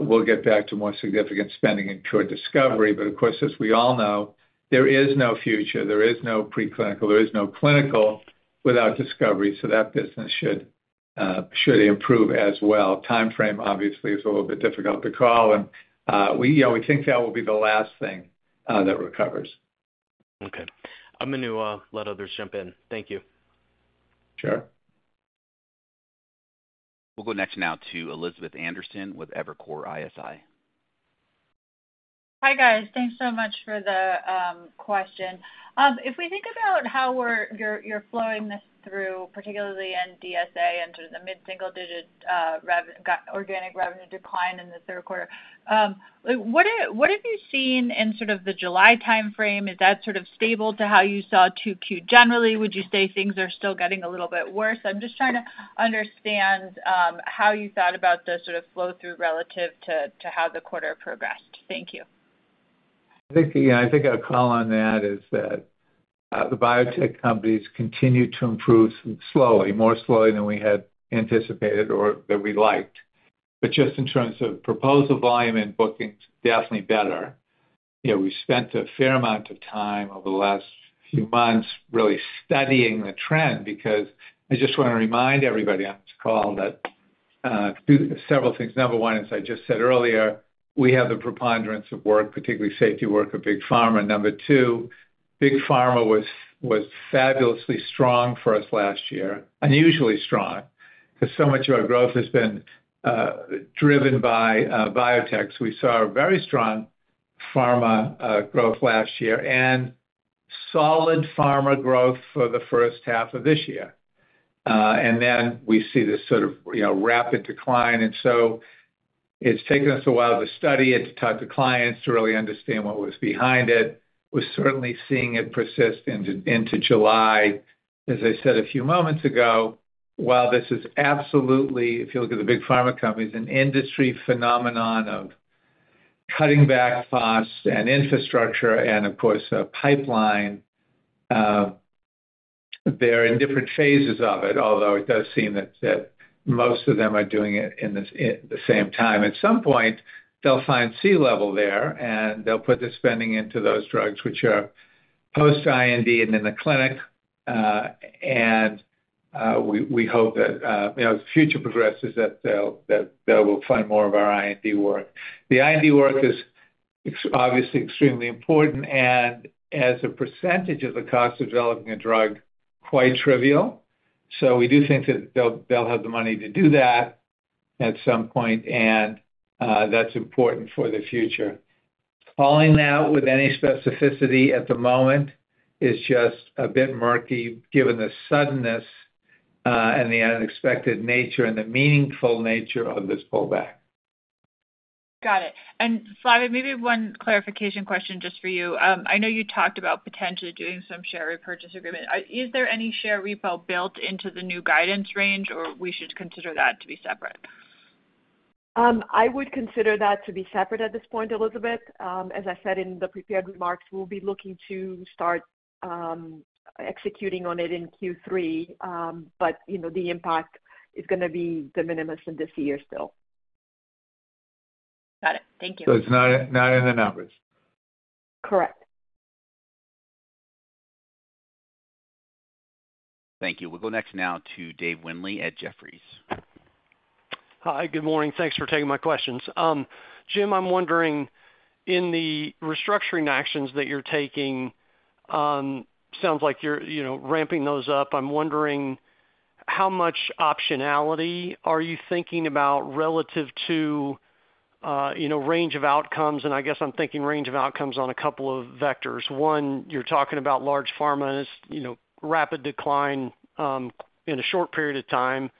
Speaker 3: we'll get back to more significant spending in core discovery. But of course, as we all know, there is no future, there is no preclinical, there is no clinical... without discovery, so that business should improve as well. Timeframe, obviously, is a little bit difficult to call, and we, you know, we think that will be the last thing that recovers.
Speaker 6: Okay. I'm gonna let others jump in. Thank you.
Speaker 3: Sure.
Speaker 1: We'll go next now to Elizabeth Anderson with Evercore ISI.
Speaker 7: Hi, guys. Thanks so much for the question. If we think about how you're flowing this through, particularly in DSA and sort of the mid-single digit organic revenue decline in the third quarter, what have you seen in sort of the July timeframe? Is that sort of stable to how you saw 2Q generally? Would you say things are still getting a little bit worse? I'm just trying to understand how you thought about the sort of flow-through relative to how the quarter progressed. Thank you.
Speaker 3: I think, yeah, I think our call on that is that the biotech companies continue to improve slowly, more slowly than we had anticipated or that we liked. But just in terms of proposal volume and bookings, definitely better. You know, we spent a fair amount of time over the last few months really studying the trend, because I just wanna remind everybody on this call that due to several things. Number one, as I just said earlier, we have the preponderance of work, particularly safety work of big pharma. Number two, big pharma was fabulously strong for us last year, unusually strong, 'cause so much of our growth has been driven by biotechs. We saw a very strong pharma growth last year and solid pharma growth for the first half of this year. and then we see this sort of, you know, rapid decline, and so it's taken us a while to study it, to talk to clients to really understand what was behind it. We're certainly seeing it persist into July. As I said a few moments ago, while this is absolutely, if you look at the big pharma companies, an industry phenomenon of cutting back costs and infrastructure and of course, pipeline, they're in different phases of it, although it does seem that most of them are doing it in this the same time. At some point, they'll find C-level there, and they'll put the spending into those drugs which are post-IND and in the clinic, and we hope that, you know, as the future progresses, that they'll, that they will find more of our IND work. The IND work is obviously extremely important, and as a percentage of the cost of developing a drug, quite trivial. So we do think that they'll have the money to do that at some point, and that's important for the future. Calling that out with any specificity at the moment is just a bit murky, given the suddenness and the unexpected nature and the meaningful nature of this pullback.
Speaker 7: Got it. And Flavia, maybe one clarification question just for you. I know you talked about potentially doing some share repurchase agreement. Is there any share repo built into the new guidance range, or we should consider that to be separate?
Speaker 4: I would consider that to be separate at this point, Elizabeth. As I said in the prepared remarks, we'll be looking to start executing on it in Q3. But you know, the impact is gonna be de minimis in this year still.
Speaker 7: Got it. Thank you.
Speaker 3: It's not in, not in the numbers?
Speaker 4: Correct.
Speaker 1: Thank you. We'll go next now to David Windley at Jefferies.
Speaker 8: Hi, good morning. Thanks for taking my questions. Jim, I'm wondering, in the restructuring actions that you're taking, sounds like you're, you know, ramping those up. I'm wondering how much optionality are you thinking about relative to, you know, range of outcomes, and I guess I'm thinking range of outcomes on a couple of vectors. One, you're talking about large pharma, and it's, you know, rapid decline, in a short period of time,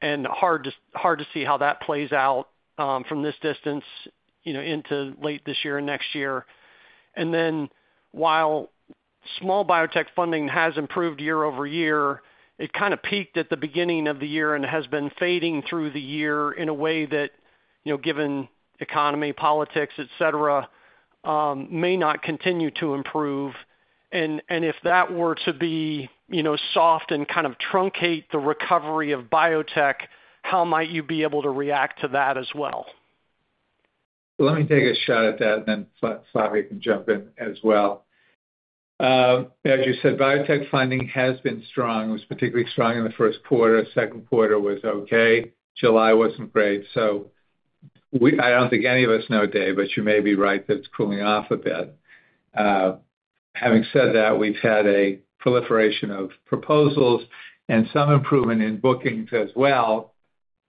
Speaker 8: and hard to, hard to see how that plays out, from this distance, you know, into late this year and next year. And then, while small biotech funding has improved year-over-year, it kind of peaked at the beginning of the year and has been fading through the year in a way that, you know, given economy, politics, et cetera, may not continue to improve. And if that were to be, you know, soft and kind of truncate the recovery of biotech, how might you be able to react to that as well?
Speaker 3: Let me take a shot at that, and then Flavia can jump in as well. As you said, biotech funding has been strong. It was particularly strong in the first quarter. Second quarter was okay. July wasn't great, so we. I don't think any of us know, Dave, but you may be right that it's cooling off a bit. Having said that, we've had a proliferation of proposals and some improvement in bookings as well.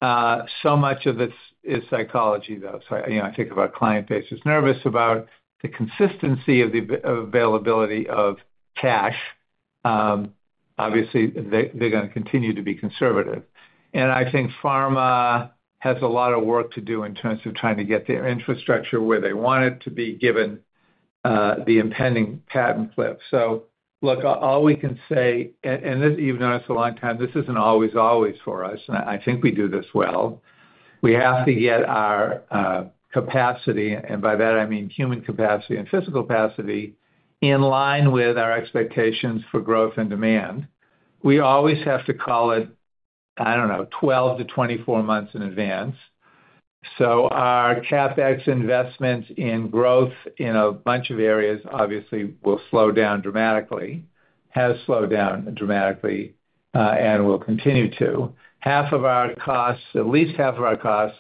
Speaker 3: So much of it's psychology, though. So, you know, I think of our client base as nervous about the consistency of the availability of cash. Obviously, they're gonna continue to be conservative. And I think pharma has a lot of work to do in terms of trying to get their infrastructure where they want it to be, given the impending patent cliff. So look, all we can say, and this, you've known us a long time, this isn't always for us, and I think we do this well. We have to get our capacity, and by that I mean human capacity and physical capacity, in line with our expectations for growth and demand. We always have to call it, I don't know, 12-24 months in advance. So our CapEx investments in growth in a bunch of areas obviously will slow down dramatically, has slowed down dramatically, and will continue to. Half of our costs, at least half of our costs,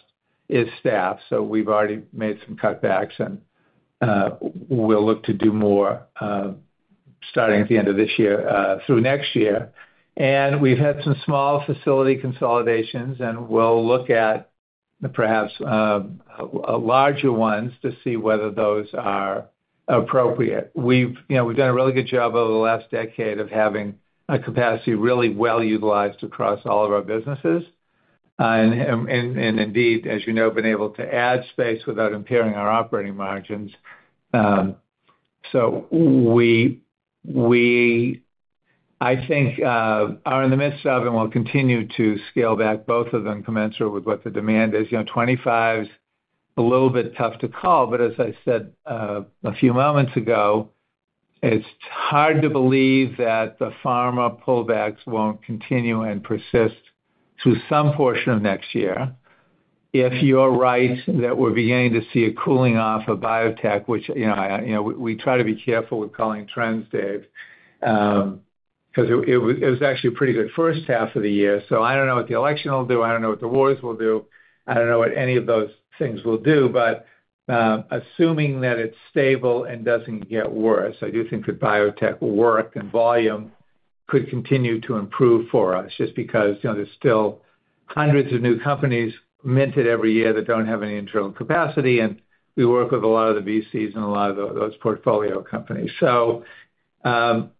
Speaker 3: is staff, so we've already made some cutbacks, and we'll look to do more, starting at the end of this year, through next year. We've had some small facility consolidations, and we'll look at perhaps larger ones to see whether those are appropriate. You know, we've done a really good job over the last decade of having a capacity really well utilized across all of our businesses and, indeed, as you know, been able to add space without impairing our operating margins. So we, I think, are in the midst of and will continue to scale back both of them commensurate with what the demand is. You know, 2025 is a little bit tough to call, but as I said, a few moments ago, it's hard to believe that the pharma pullbacks won't continue and persist through some portion of next year. If you're right that we're beginning to see a cooling off of biotech, which, you know, we try to be careful with calling trends, Dave. 'Cause it was actually a pretty good first half of the year, so I don't know what the election will do, I don't know what the wars will do, I don't know what any of those things will do, but assuming that it's stable and doesn't get worse, I do think that biotech will work and volume could continue to improve for us, just because, you know, there's still hundreds of new companies minted every year that don't have any internal capacity, and we work with a lot of the VCs and a lot of those portfolio companies. So,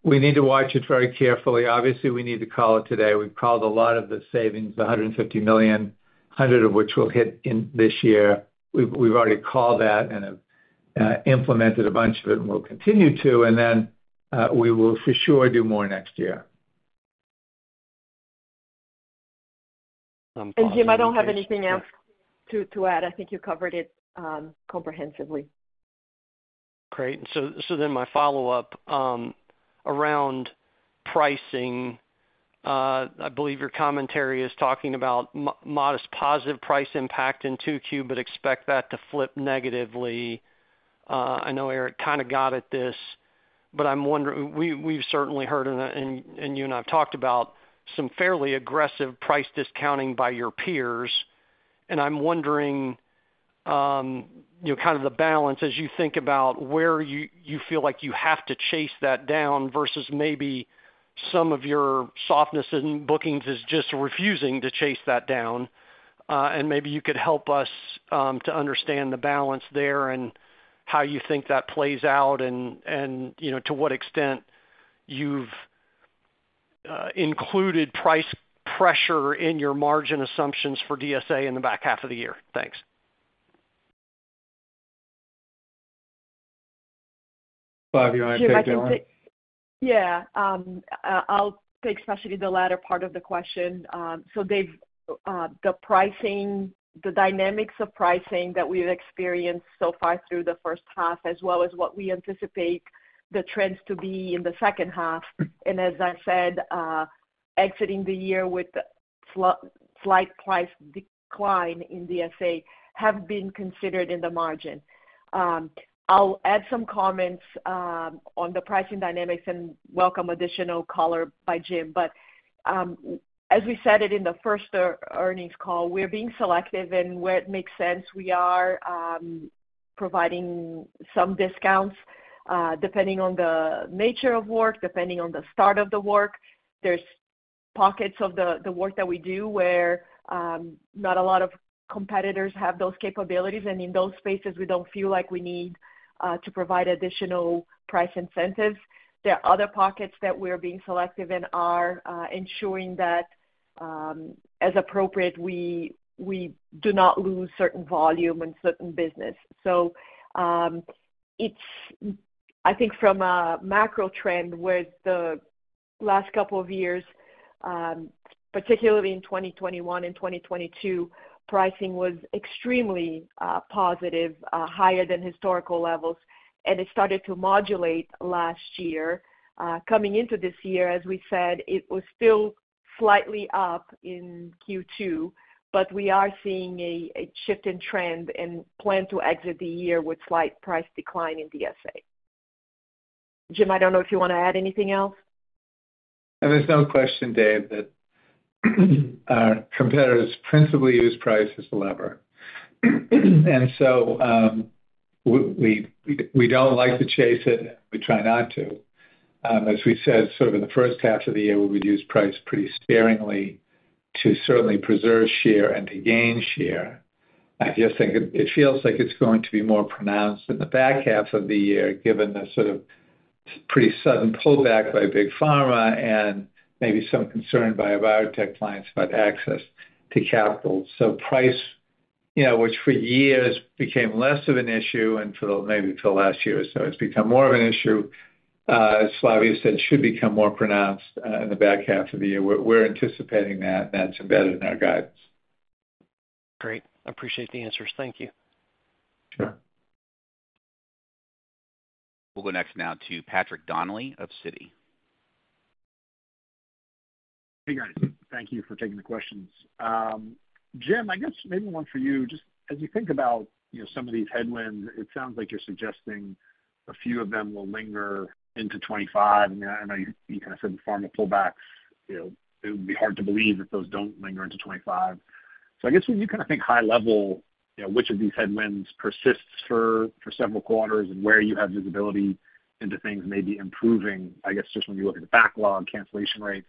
Speaker 3: we need to watch it very carefully. Obviously, we need to call it today. We've called a lot of the savings, the $150 million, $100 of which will hit in this year. We've already called that and have implemented a bunch of it, and we'll continue to, and then we will for sure do more next year.
Speaker 4: Jim, I don't have anything else to add. I think you covered it comprehensively.
Speaker 8: Great. So then my follow-up around pricing. I believe your commentary is talking about modest positive price impact in 2Q, but expect that to flip negatively. I know Eric kind of got at this, but I'm wondering, we've certainly heard, and you and I have talked about some fairly aggressive price discounting by your peers, and I'm wondering, you know, kind of the balance as you think about where you feel like you have to chase that down versus maybe some of your softness in bookings is just refusing to chase that down. And maybe you could help us to understand the balance there and how you think that plays out and, you know, to what extent you've included price pressure in your margin assumptions for DSA in the back half of the year. Thanks.
Speaker 3: Flavia, you want to take that one?
Speaker 4: Yeah, I'll take especially the latter part of the question. So Dave, the pricing, the dynamics of pricing that we've experienced so far through the first half, as well as what we anticipate the trends to be in the second half, and as I said, exiting the year with a slight price decline in DSA, have been considered in the margin. I'll add some comments on the pricing dynamics and welcome additional color by Jim. But, as we said it in the first earnings call, we're being selective, and where it makes sense, we are providing some discounts, depending on the nature of work, depending on the start of the work. There's pockets of the work that we do where, not a lot of competitors have those capabilities, and in those spaces, we don't feel like we need to provide additional price incentives. There are other pockets that we're being selective in, ensuring that, as appropriate, we do not lose certain volume and certain business. So, it's... I think from a macro trend, where the last couple of years, particularly in 2021 and 2022, pricing was extremely positive, higher than historical levels, and it started to modulate last year. Coming into this year, as we said, it was still slightly up in Q2, but we are seeing a shift in trend and plan to exit the year with slight price decline in DSA. Jim, I don't know if you wanna add anything else?
Speaker 3: There's no question, Dave, that our competitors principally use price as a lever. And so, we don't like to chase it. We try not to. As we said, sort of in the first half of the year, we reduced price pretty sparingly to certainly preserve share and to gain share. I just think it feels like it's going to be more pronounced in the back half of the year, given the sort of pretty sudden pullback by big pharma and maybe some concern by our biotech clients about access to capital. So price, you know, which for years became less of an issue until maybe till last year or so, it's become more of an issue, as Flavia said, should become more pronounced in the back half of the year. We're anticipating that, and that's embedded in our guidance.
Speaker 8: Great. I appreciate the answers. Thank you.
Speaker 3: Sure.
Speaker 1: We'll go next now to Patrick Donnelly of Citi. ...
Speaker 9: Hey, guys. Thank you for taking the questions. Jim, I guess maybe one for you. Just as you think about, you know, some of these headwinds, it sounds like you're suggesting a few of them will linger into 2025. And I know you kind of said the pharma pullbacks, you know, it would be hard to believe that those don't linger into 2025. So I guess, when you kind of think high level, you know, which of these headwinds persists for several quarters and where you have visibility into things maybe improving, I guess, just when you look at the backlog, cancellation rates,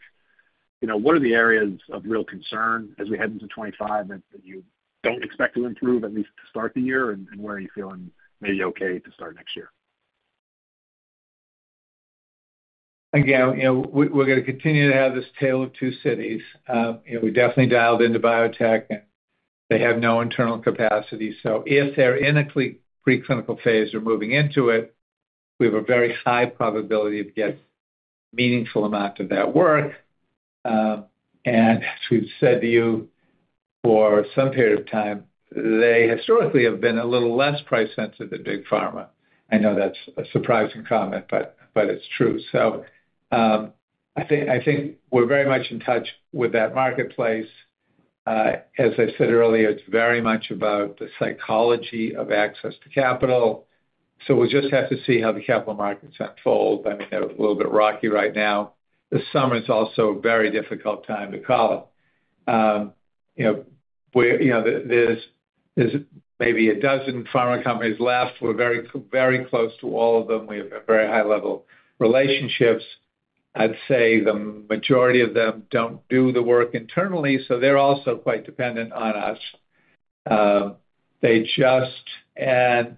Speaker 9: you know, what are the areas of real concern as we head into 2025, that you don't expect to improve, at least to start the year, and where are you feeling maybe okay to start next year?
Speaker 3: Again, you know, we're gonna continue to have this tale of two cities. You know, we definitely dialed into biotech, and they have no internal capacity, so if they're in a preclinical phase or moving into it, we have a very high probability to get meaningful amount of that work. And as we've said to you for some period of time, they historically have been a little less price sensitive than big pharma. I know that's a surprising comment, but it's true. So, I think we're very much in touch with that marketplace. As I said earlier, it's very much about the psychology of access to capital, so we'll just have to see how the capital markets unfold. I mean, they're a little bit rocky right now. This summer is also a very difficult time to call. You know, you know, there's maybe a dozen pharma companies left. We're very close to all of them. We have very high-level relationships. I'd say the majority of them don't do the work internally, so they're also quite dependent on us. They just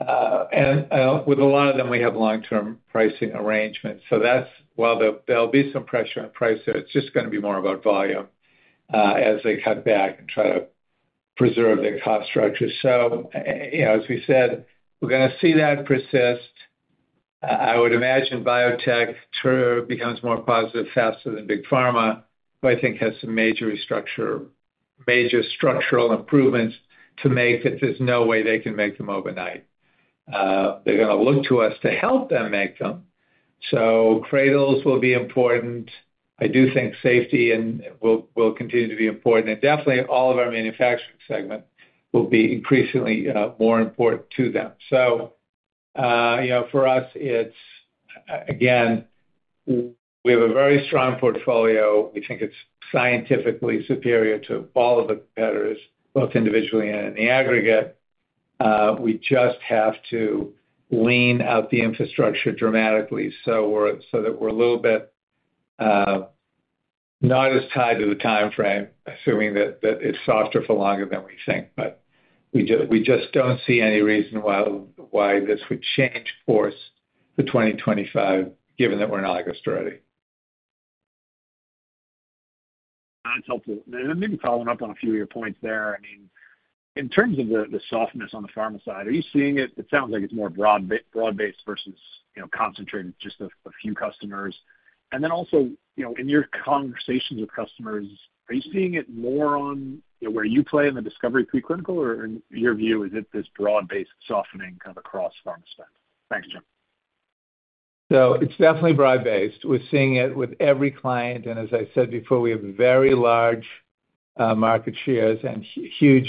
Speaker 3: with a lot of them, we have long-term pricing arrangements, so that's while there'll be some pressure on price there, it's just gonna be more about volume, as they cut back and try to preserve their cost structure. So, you know, as we said, we're gonna see that persist. I would imagine biotech too becomes more positive faster than big pharma, who I think has some major restructure, major structural improvements to make, that there's no way they can make them overnight. They're gonna look to us to help them make them, so CRADLs will be important. I do think safety will continue to be important, and definitely all of our manufacturing segment will be increasingly more important to them. So, you know, for us, it's again, we have a very strong portfolio. We think it's scientifically superior to all of the competitors, both individually and in the aggregate. We just have to lean out the infrastructure dramatically, so that we're a little bit not as tied to the timeframe, assuming that it's softer for longer than we think. But we just don't see any reason why this would change course for 2025, given that we're in August already.
Speaker 9: That's helpful. Then maybe following up on a few of your points there, I mean, in terms of the softness on the pharma side, are you seeing it, it sounds like it's more broad-based versus, you know, concentrated just a few customers. And then also, you know, in your conversations with customers, are you seeing it more on, you know, where you play in the discovery preclinical? Or in your view, is it this broad-based softening kind of across pharma spend? Thanks, Jim.
Speaker 3: So it's definitely broad-based. We're seeing it with every client, and as I said before, we have very large market shares and huge,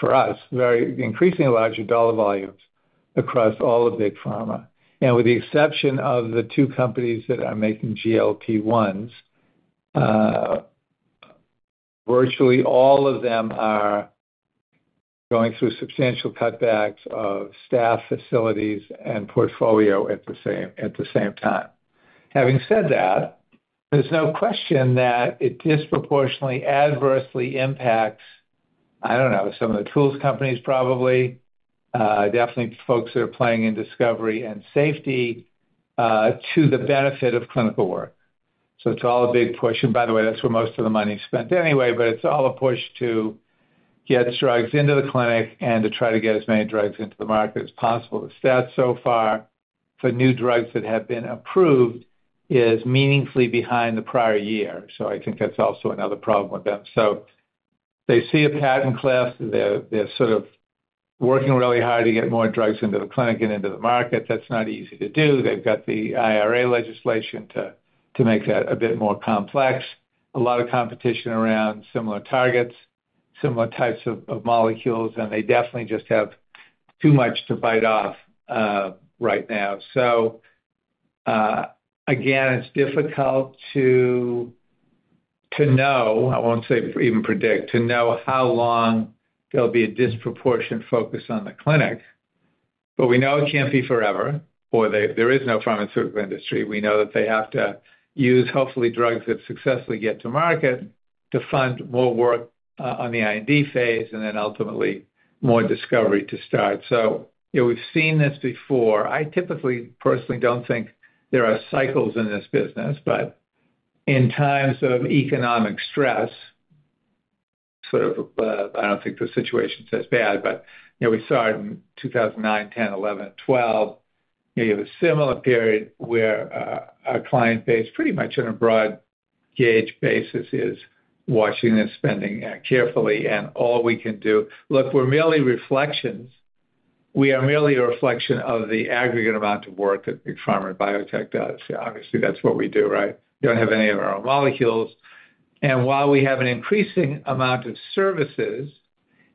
Speaker 3: for us, very increasingly larger dollar volumes across all of big pharma. And with the exception of the two companies that are making GLP-1s, virtually all of them are going through substantial cutbacks of staff, facilities, and portfolio at the same, at the same time. Having said that, there's no question that it disproportionately adversely impacts, I don't know, some of the tools companies probably, definitely folks that are playing in discovery and safety, to the benefit of clinical work. So it's all a big push, and by the way, that's where most of the money is spent anyway, but it's all a push to get drugs into the clinic and to try to get as many drugs into the market as possible. The stats so far for new drugs that have been approved is meaningfully behind the prior year, so I think that's also another problem with them. So they see a patent cliff. They're, they're sort of working really hard to get more drugs into the clinic and into the market. That's not easy to do. They've got the IRA legislation to, to make that a bit more complex. A lot of competition around similar targets, similar types of, of molecules, and they definitely just have too much to bite off, right now. So, again, it's difficult to know, I won't say even predict, to know how long there'll be a disproportionate focus on the clinic, but we know it can't be forever, or there is no pharmaceutical industry. We know that they have to use, hopefully, drugs that successfully get to market to fund more work on the IND phase and then ultimately more discovery to start. So, you know, we've seen this before. I typically, personally, don't think there are cycles in this business, but in times of economic stress, sort of, I don't think the situation's as bad, but, you know, we saw it in 2009, 2010, 2011, and 2012. You have a similar period where our client base, pretty much on a broad gauge basis, is watching and spending carefully, and all we can do... Look, we're merely reflections-... We are merely a reflection of the aggregate amount of work that big pharma and biotech does. Obviously, that's what we do, right? We don't have any of our own molecules. And while we have an increasing amount of services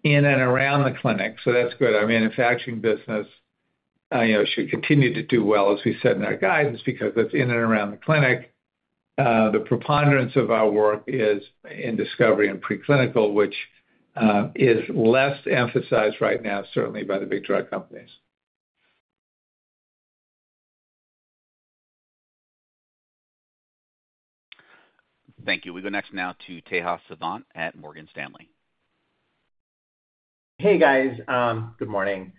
Speaker 3: in and around the clinic, so that's good, our manufacturing business, you know, should continue to do well, as we said in our guidance, because that's in and around the clinic. The preponderance of our work is in discovery and preclinical, which is less emphasized right now, certainly by the big drug companies.
Speaker 1: Thank you. We go next now to Tejas Savant at Morgan Stanley.
Speaker 10: Hey, guys, good morning.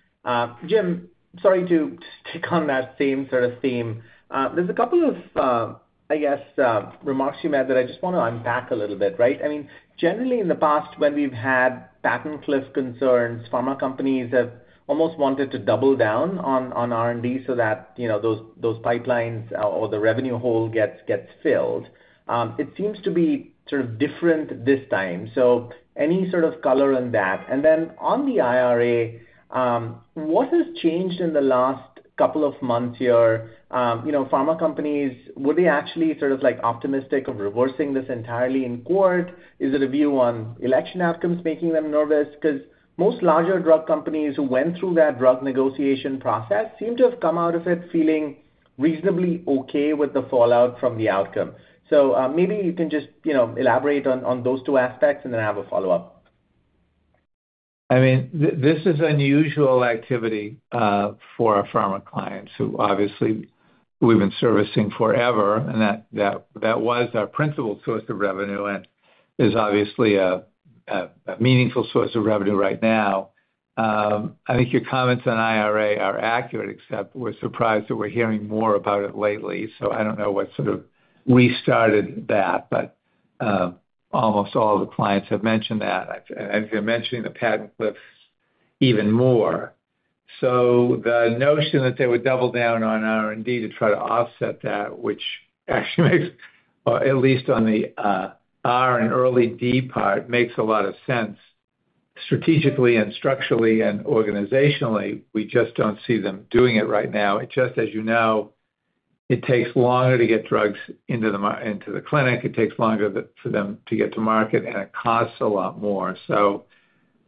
Speaker 10: Jim, sorry to stick on that same sort of theme. There's a couple of, I guess, remarks you made that I just wanna unpack a little bit, right? I mean, generally, in the past, when we've had patent cliff concerns, pharma companies have almost wanted to double down on, on R&D so that, you know, those, those pipelines or the revenue hole gets, gets filled. It seems to be sort of different this time. So any sort of color on that? And then on the IRA, what has changed in the last couple of months here? You know, pharma companies, were they actually sort of, like, optimistic of reversing this entirely in court? Is it a view on election outcomes making them nervous? Because most larger drug companies who went through that drug negotiation process seem to have come out of it feeling reasonably okay with the fallout from the outcome. So, maybe you can just, you know, elaborate on, on those two aspects, and then I have a follow-up.
Speaker 3: I mean, this is unusual activity for our pharma clients, who obviously we've been servicing forever, and that was our principal source of revenue and is obviously a meaningful source of revenue right now. I think your comments on IRA are accurate, except we're surprised that we're hearing more about it lately, so I don't know what sort of restarted that, but almost all the clients have mentioned that. And they're mentioning the patent cliffs even more. So the notion that they would double down on R&D to try to offset that, which actually makes, or at least on the R and early D part, makes a lot of sense strategically and structurally and organizationally, we just don't see them doing it right now. It just, as you know, it takes longer to get drugs into the market into the clinic, it takes longer for them to get to market, and it costs a lot more. So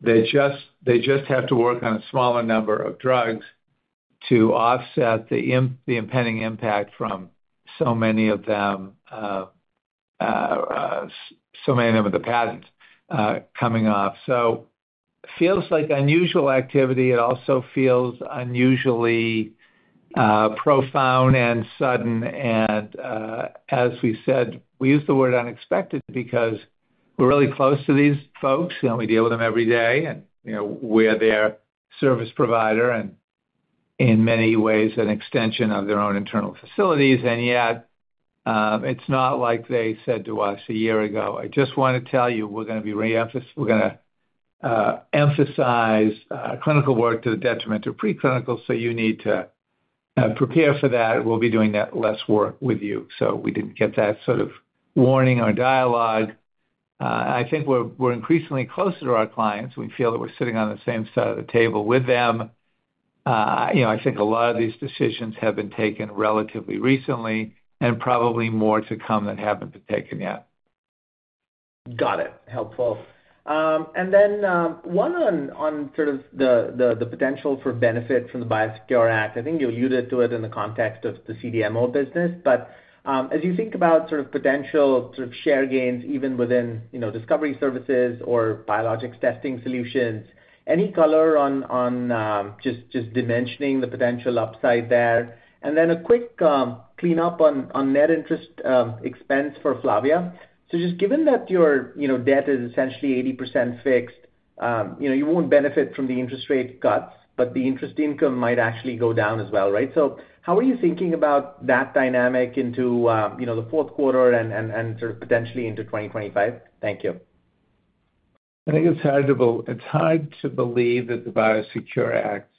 Speaker 3: they just, they just have to work on a smaller number of drugs to offset the impending impact from so many of them, so many of them with the patents coming off. So feels like unusual activity. It also feels unusually profound and sudden, and, as we said, we use the word unexpected because we're really close to these folks, you know, we deal with them every day and, you know, we're their service provider and in many ways an extension of their own internal facilities. Yet, it's not like they said to us a year ago, "I just want to tell you, we're gonna emphasize clinical work to the detriment of preclinical, so you need to prepare for that. We'll be doing that less work with you." So we didn't get that sort of warning or dialogue. I think we're increasingly closer to our clients. We feel that we're sitting on the same side of the table with them. You know, I think a lot of these decisions have been taken relatively recently, and probably more to come that haven't been taken yet.
Speaker 10: Got it. Helpful. And then, one on sort of the potential for benefit from the BioSecure Act. I think you alluded to it in the context of the CDMO business, but as you think about sort of potential share gains, even within, you know, Discovery Services or Biologics Testing Solutions, any color on just dimensioning the potential upside there? And then a quick cleanup on net interest expense for Flavia. So just given that your, you know, debt is essentially 80% fixed, you know, you won't benefit from the interest rate cuts, but the interest income might actually go down as well, right? So how are you thinking about that dynamic into the fourth quarter and sort of potentially into 2025? Thank you.
Speaker 3: I think it's hard to believe that the BioSecure Act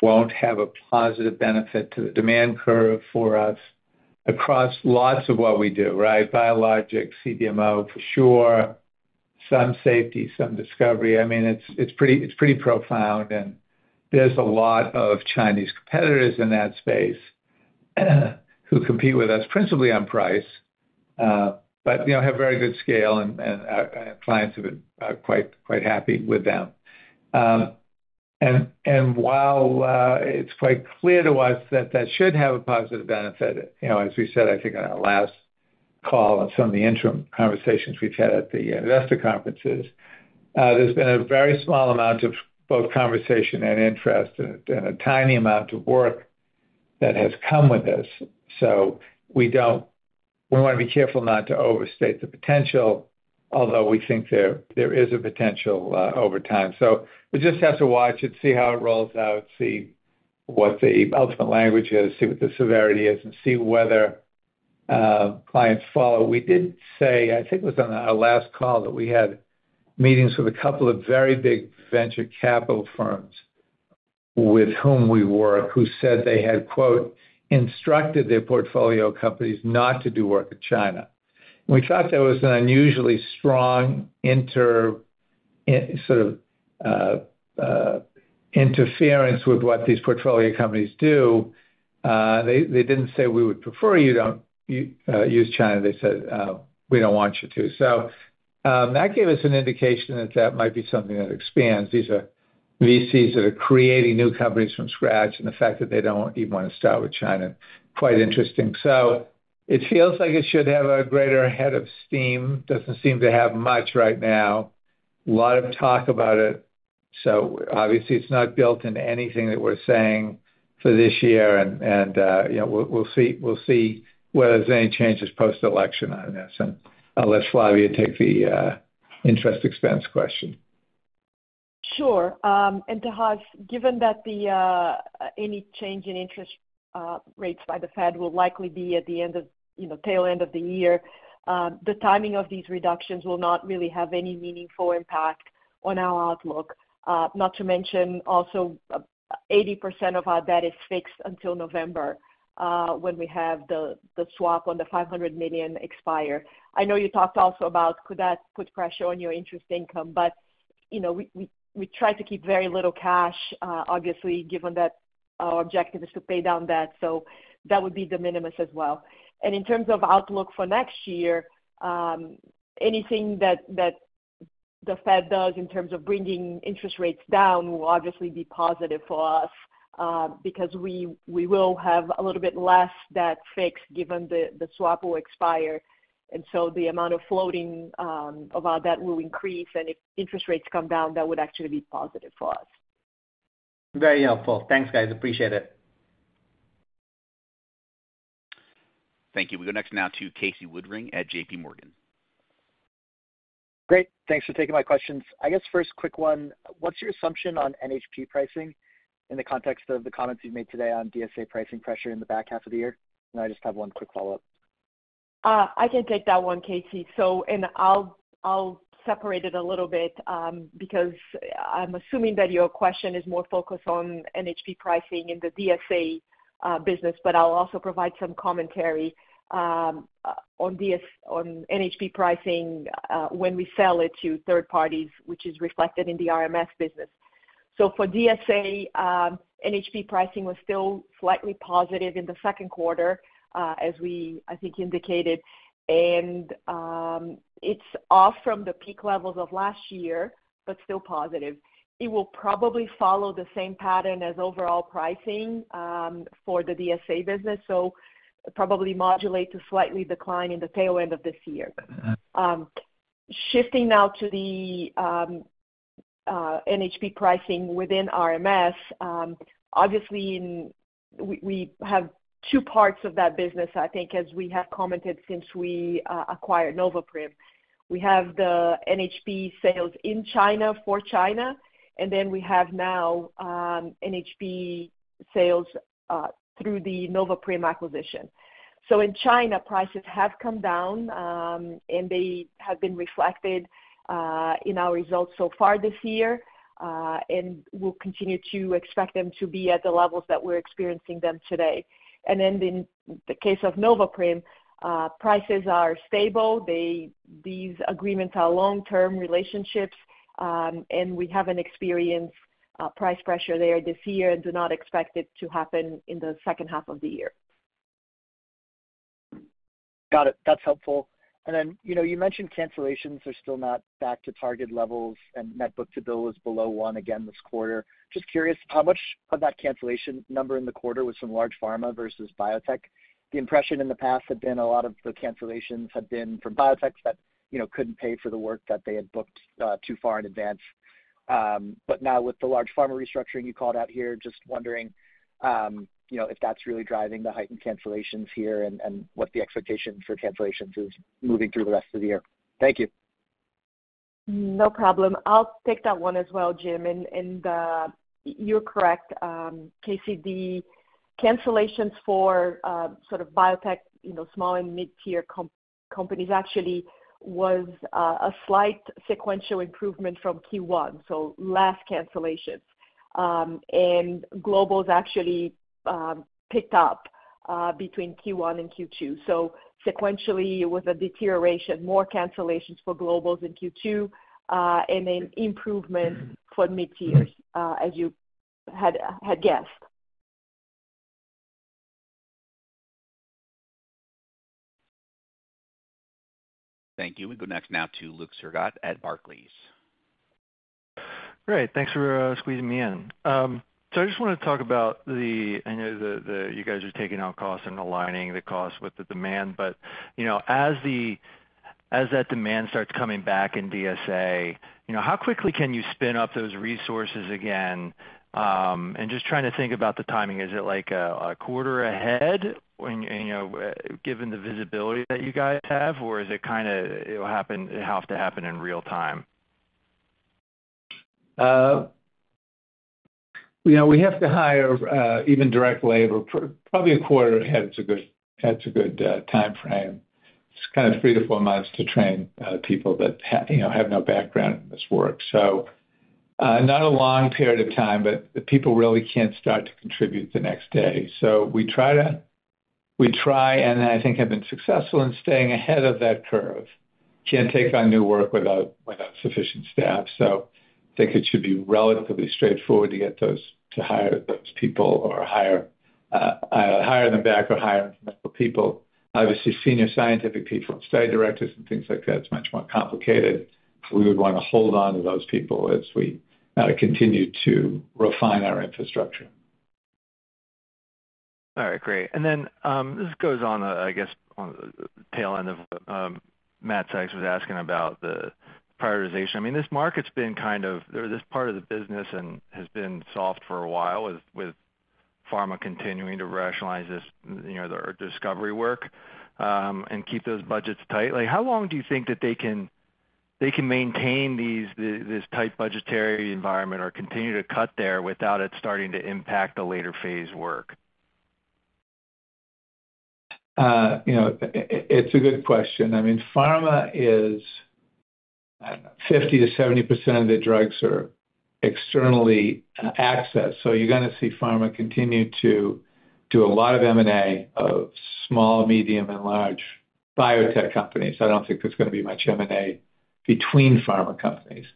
Speaker 3: won't have a positive benefit to the demand curve for us across lots of what we do, right? Biologics, CDMO, for sure, some safety, some discovery. I mean, it's pretty profound, and there's a lot of Chinese competitors in that space who compete with us principally on price, but you know, have very good scale, and clients have been quite happy with them. While it's quite clear to us that that should have a positive benefit, you know, as we said, I think on our last call and some of the interim conversations we've had at the investor conferences, there's been a very small amount of both conversation and interest and a tiny amount of work that has come with this, so we don't- we wanna be careful not to overstate the potential, although we think there is a potential over time. So we just have to watch it, see how it rolls out, see what the ultimate language is, see what the severity is, and see whether clients follow. We did say, I think it was on our last call, that we had meetings with a couple of very big venture capital firms with whom we work, who said they had, quote, "instructed their portfolio companies not to do work in China." We thought there was an unusually strong interference with what these portfolio companies do. They didn't say, "We would prefer you don't use China." They said, "We don't want you to." So, that gave us an indication that that might be something that expands. These are VCs that are creating new companies from scratch, and the fact that they don't even wanna start with China, quite interesting. So it feels like it should have a greater head of steam, doesn't seem to have much right now. A lot of talk about it, so obviously it's not built into anything that we're saying for this year. And you know, we'll see whether there's any changes post-election on this. And I'll let Flavia take the interest expense question.
Speaker 4: Sure. And Tejas, given that the any change in interest rates by the Fed will likely be at the end of, you know, tail end of the year, the timing of these reductions will not really have any meaningful impact on our outlook. Not to mention also, 80% of our debt is fixed until November, when we have the swap on the $500 million expire. I know you talked also about could that put pressure on your interest income, but, you know, we try to keep very little cash, obviously, given that our objective is to pay down debt, so that would be de minimis as well. In terms of outlook for next year, anything that the Fed does in terms of bringing interest rates down will obviously be positive for us, because we will have a little bit less debt fixed given the swap will expire. And so the amount of floating of our debt will increase, and if interest rates come down, that would actually be positive for us.
Speaker 10: Very helpful. Thanks, guys. Appreciate it.
Speaker 1: Thank you. We go next now to Casey Woodring at J.P. Morgan.
Speaker 11: Great. Thanks for taking my questions. I guess, first quick one, what's your assumption on NHP pricing in the context of the comments you've made today on DSA pricing pressure in the back half of the year? And I just have one quick follow-up.
Speaker 4: I can take that one, Casey. So, and I'll, I'll separate it a little bit, because I'm assuming that your question is more focused on NHP pricing in the DSA business, but I'll also provide some commentary on DSA on NHP pricing when we sell it to third parties, which is reflected in the RMS business. So for DSA, NHP pricing was still slightly positive in the second quarter, as we, I think, indicated. And, it's off from the peak levels of last year, but still positive. It will probably follow the same pattern as overall pricing for the DSA business, so probably modulate to slightly decline in the tail end of this year. Shifting now to the NHP pricing within RMS, obviously, we have two parts of that business, I think, as we have commented since we acquired Noveprim. We have the NHP sales in China for China, and then we have now NHP sales through the Noveprim acquisition. So in China, prices have come down, and they have been reflected in our results so far this year, and we'll continue to expect them to be at the levels that we're experiencing them today. And then in the case of Noveprim, prices are stable. They-- these agreements are long-term relationships, and we haven't experienced price pressure there this year and do not expect it to happen in the second half of the year.
Speaker 11: Got it. That's helpful. And then, you know, you mentioned cancellations are still not back to target levels, and net book-to-bill was below one again this quarter. Just curious, how much of that cancellation number in the quarter was from large pharma versus biotech? The impression in the past had been a lot of the cancellations had been from biotechs that, you know, couldn't pay for the work that they had booked too far in advance. But now with the large pharma restructuring you called out here, just wondering, you know, if that's really driving the heightened cancellations here, and, and what the expectation for cancellations is moving through the rest of the year. Thank you.
Speaker 4: No problem. I'll take that one as well, Jim. And you're correct, Casey, the cancellations for sort of biotech, you know, small and mid-tier companies actually was a slight sequential improvement from Q1, so less cancellations. And globals actually picked up between Q1 and Q2. So sequentially, it was a deterioration, more cancellations for globals in Q2, and an improvement for mid-tiers, as you had guessed.
Speaker 1: Thank you. We go next now to Luke Sergott at Barclays.
Speaker 12: Great. Thanks for squeezing me in. So I just wanna talk about the... I know you guys are taking out costs and aligning the costs with the demand, but, you know, as that demand starts coming back in DSA, you know, how quickly can you spin up those resources again? And just trying to think about the timing, is it, like, a quarter ahead when, you know, given the visibility that you guys have? Or is it kinda, it'll happen, it have to happen in real time? You know, we have to hire, even direct labor probably a quarter ahead is a good, that's a good, timeframe. It's kind of 3-4 months to train, people that you know, have no background in this work. So-... not a long period of time, but the people really can't start to contribute the next day. So we try to, and I think have been successful in staying ahead of that curve. Can't take on new work without sufficient staff. So I think it should be relatively straightforward to get those, to hire those people or hire them back or hire more people. Obviously, senior scientific people, study directors, and things like that, it's much more complicated. So we would want to hold on to those people as we kind of continue to refine our infrastructure. All right, great. And then, this goes on, I guess, on the tail end of, Matthew Sykes was asking about the prioritization. I mean, this market's been kind of, or this part of the business and has been soft for a while, with pharma continuing to rationalize this, you know, their discovery work, and keep those budgets tight. Like, how long do you think that they can maintain these, this tight budgetary environment or continue to cut there without it starting to impact the later phase work?
Speaker 3: You know, it's a good question. I mean, pharma is 50%-70% of the drugs are externally accessed, so you're gonna see pharma continue to do a lot of M&A of small, medium, and large biotech companies. I don't think there's gonna be much M&A between pharma companies.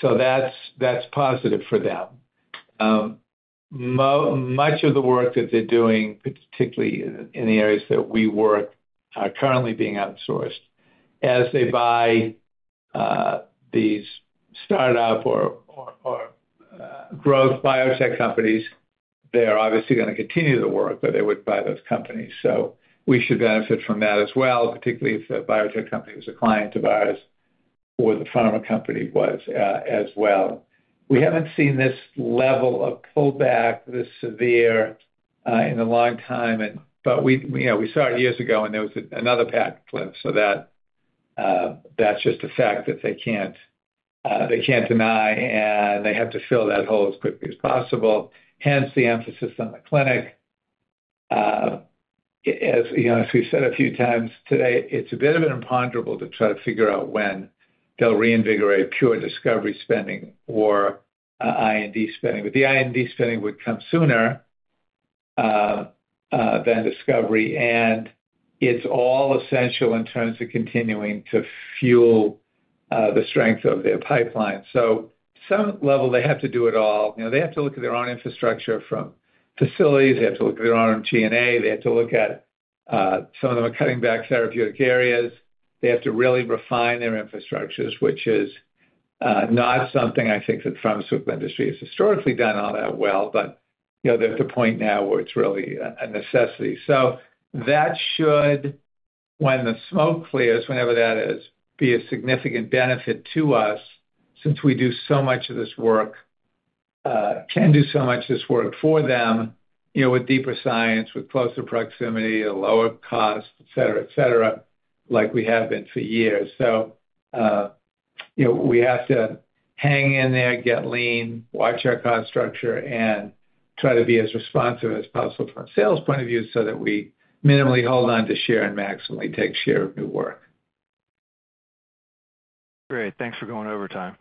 Speaker 3: So that's, that's positive for them. Much of the work that they're doing, particularly in the areas that we work, are currently being outsourced. As they buy these startup or growth biotech companies, they are obviously gonna continue to work, but they would buy those companies, so we should benefit from that as well, particularly if the biotech company is a client of ours, or the pharma company was, as well. We haven't seen this level of pullback this severe, in a long time, and but we, you know, we saw it years ago when there was another patent cliff. So that, that's just a fact that they can't, they can't deny, and they have to fill that hole as quickly as possible, hence, the emphasis on the clinic. As, you know, as we've said a few times today, it's a bit of an imponderable to try to figure out when they'll reinvigorate pure discovery spending or, IND spending. But the IND spending would come sooner, than discovery, and it's all essential in terms of continuing to fuel, the strength of their pipeline. So some level, they have to do it all. You know, they have to look at their own infrastructure from facilities. They have to look at their own G&A. They have to look at some of them are cutting back therapeutic areas. They have to really refine their infrastructures, which is not something I think the pharma industry has historically done all that well, but, you know, they're at the point now where it's really a necessity. So that should, when the smoke clears, whenever that is, be a significant benefit to us since we do so much of this work, can do so much of this work for them, you know, with deeper science, with closer proximity, a lower cost, et cetera, et cetera, like we have been for years. You know, we have to hang in there, get lean, watch our cost structure, and try to be as responsive as possible from a sales point of view, so that we minimally hold on to share and maximally take share of new work.
Speaker 12: Great, thanks for going overtime.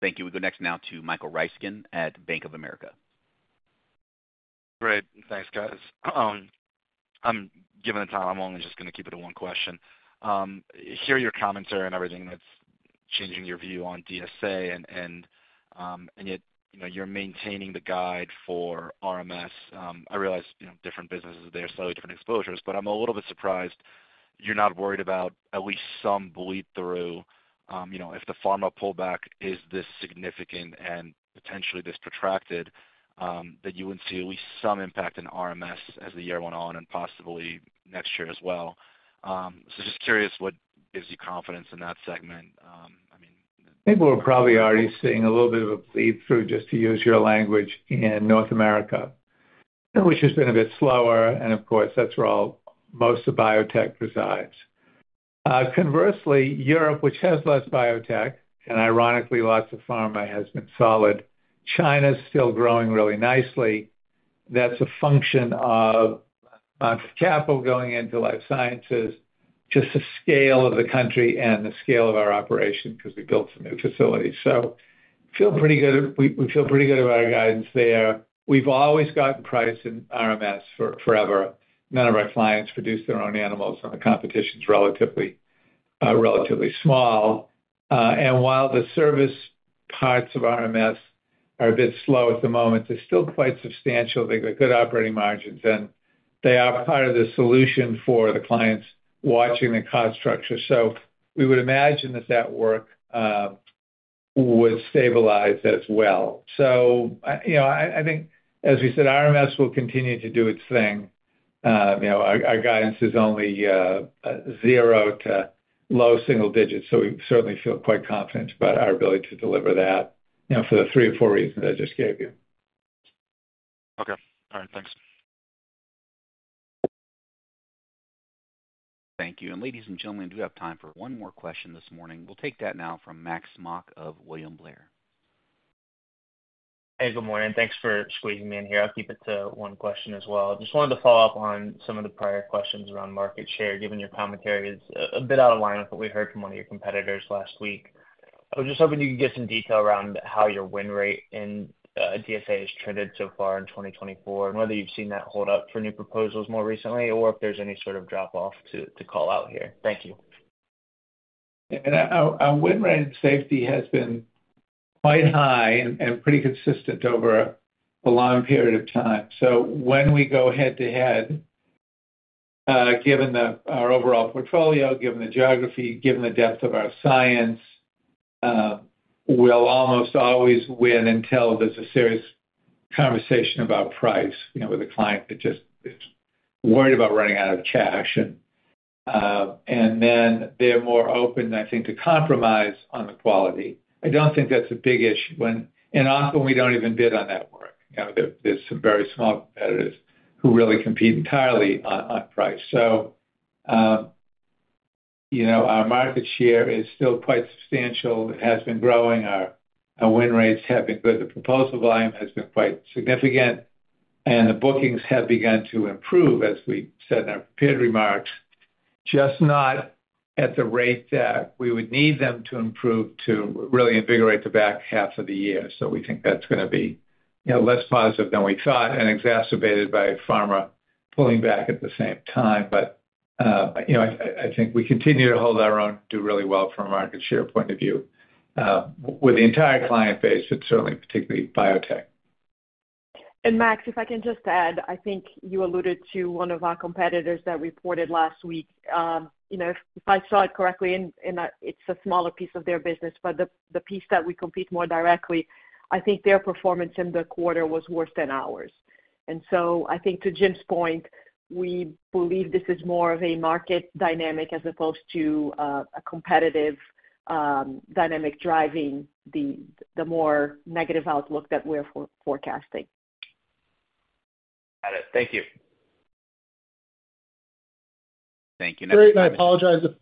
Speaker 1: Thank you. We go next now to Michael Ryskin at Bank of America.
Speaker 13: Great. Thanks, guys. Given the time, I'm only just gonna keep it to one question. Hear your commentary and everything that's changing your view on DSA, and yet, you know, you're maintaining the guide for RMS. I realize, you know, different businesses, they have slightly different exposures, but I'm a little bit surprised you're not worried about at least some bleed through, you know, if the pharma pullback is this significant and potentially this protracted, that you would see at least some impact in RMS as the year went on and possibly next year as well. So just curious, what gives you confidence in that segment? I mean-
Speaker 3: I think we're probably already seeing a little bit of a bleed through, just to use your language, in North America, which has been a bit slower, and of course, that's where all, most of biotech resides. Conversely, Europe, which has less biotech and ironically, lots of pharma, has been solid. China's still growing really nicely. That's a function of lots of capital going into life sciences, just the scale of the country and the scale of our operation, because we built some new facilities. So feel pretty good. We, we feel pretty good about our guidance there. We've always gotten price in RMS for forever. None of our clients produce their own animals, and the competition's relatively, relatively small. And while the service parts of RMS are a bit slow at the moment, they're still quite substantial. They've got good operating margins, and they are part of the solution for the clients watching the cost structure. So we would imagine that that work would stabilize as well. So I, you know, think, as we said, RMS will continue to do its thing. You know, our guidance is only zero to low single digits, so we certainly feel quite confident about our ability to deliver that, you know, for the three or four reasons I just gave you.
Speaker 13: Okay. All right, thanks.
Speaker 1: Thank you. Ladies and gentlemen, we do have time for one more question this morning. We'll take that now from Max Smock of William Blair....
Speaker 14: Hey, good morning. Thanks for squeezing me in here. I'll keep it to one question as well. Just wanted to follow up on some of the prior questions around market share, given your commentary is a bit out of line with what we heard from one of your competitors last week. I was just hoping you could give some detail around how your win rate in DSA has trended so far in 2024, and whether you've seen that hold up for new proposals more recently, or if there's any sort of drop-off to call out here. Thank you.
Speaker 3: Our win rate in safety has been quite high and pretty consistent over a long period of time. So when we go head-to-head, given our overall portfolio, given the geography, given the depth of our science, we'll almost always win until there's a serious conversation about price, you know, with a client that just is worried about running out of cash. And then they're more open, I think, to compromise on the quality. I don't think that's a big issue when... And often we don't even bid on that work. You know, there's some very small competitors who really compete entirely on price. So, you know, our market share is still quite substantial. It has been growing. Our win rates have been good. The proposal volume has been quite significant, and the bookings have begun to improve, as we said in our prepared remarks, just not at the rate that we would need them to improve to really invigorate the back half of the year. So we think that's gonna be, you know, less positive than we thought and exacerbated by pharma pulling back at the same time. But, you know, I think we continue to hold our own, do really well from a market share point of view, with the entire client base, but certainly particularly biotech.
Speaker 4: And Max, if I can just add, I think you alluded to one of our competitors that reported last week. You know, if I saw it correctly, and it's a smaller piece of their business, but the piece that we compete more directly, I think their performance in the quarter was worse than ours. And so I think to Jim's point, we believe this is more of a market dynamic as opposed to a competitive dynamic driving the more negative outlook that we're forecasting.
Speaker 14: Got it. Thank you.
Speaker 3: Thank you.
Speaker 2: Great, and I apologize if...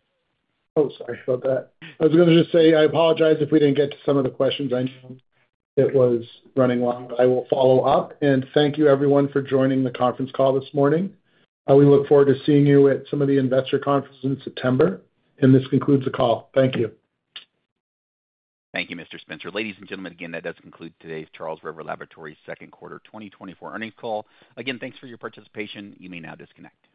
Speaker 2: Oh, sorry about that. I was gonna just say, I apologize if we didn't get to some of the questions. I know it was running long, but I will follow up. Thank you, everyone, for joining the conference call this morning. We look forward to seeing you at some of the investor conferences in September. This concludes the call. Thank you.
Speaker 1: Thank you, Mr. Spencer. Ladies and gentlemen, again, that does conclude today's Charles River Laboratories' second quarter 2024 earnings call. Again, thanks for your participation. You may now disconnect.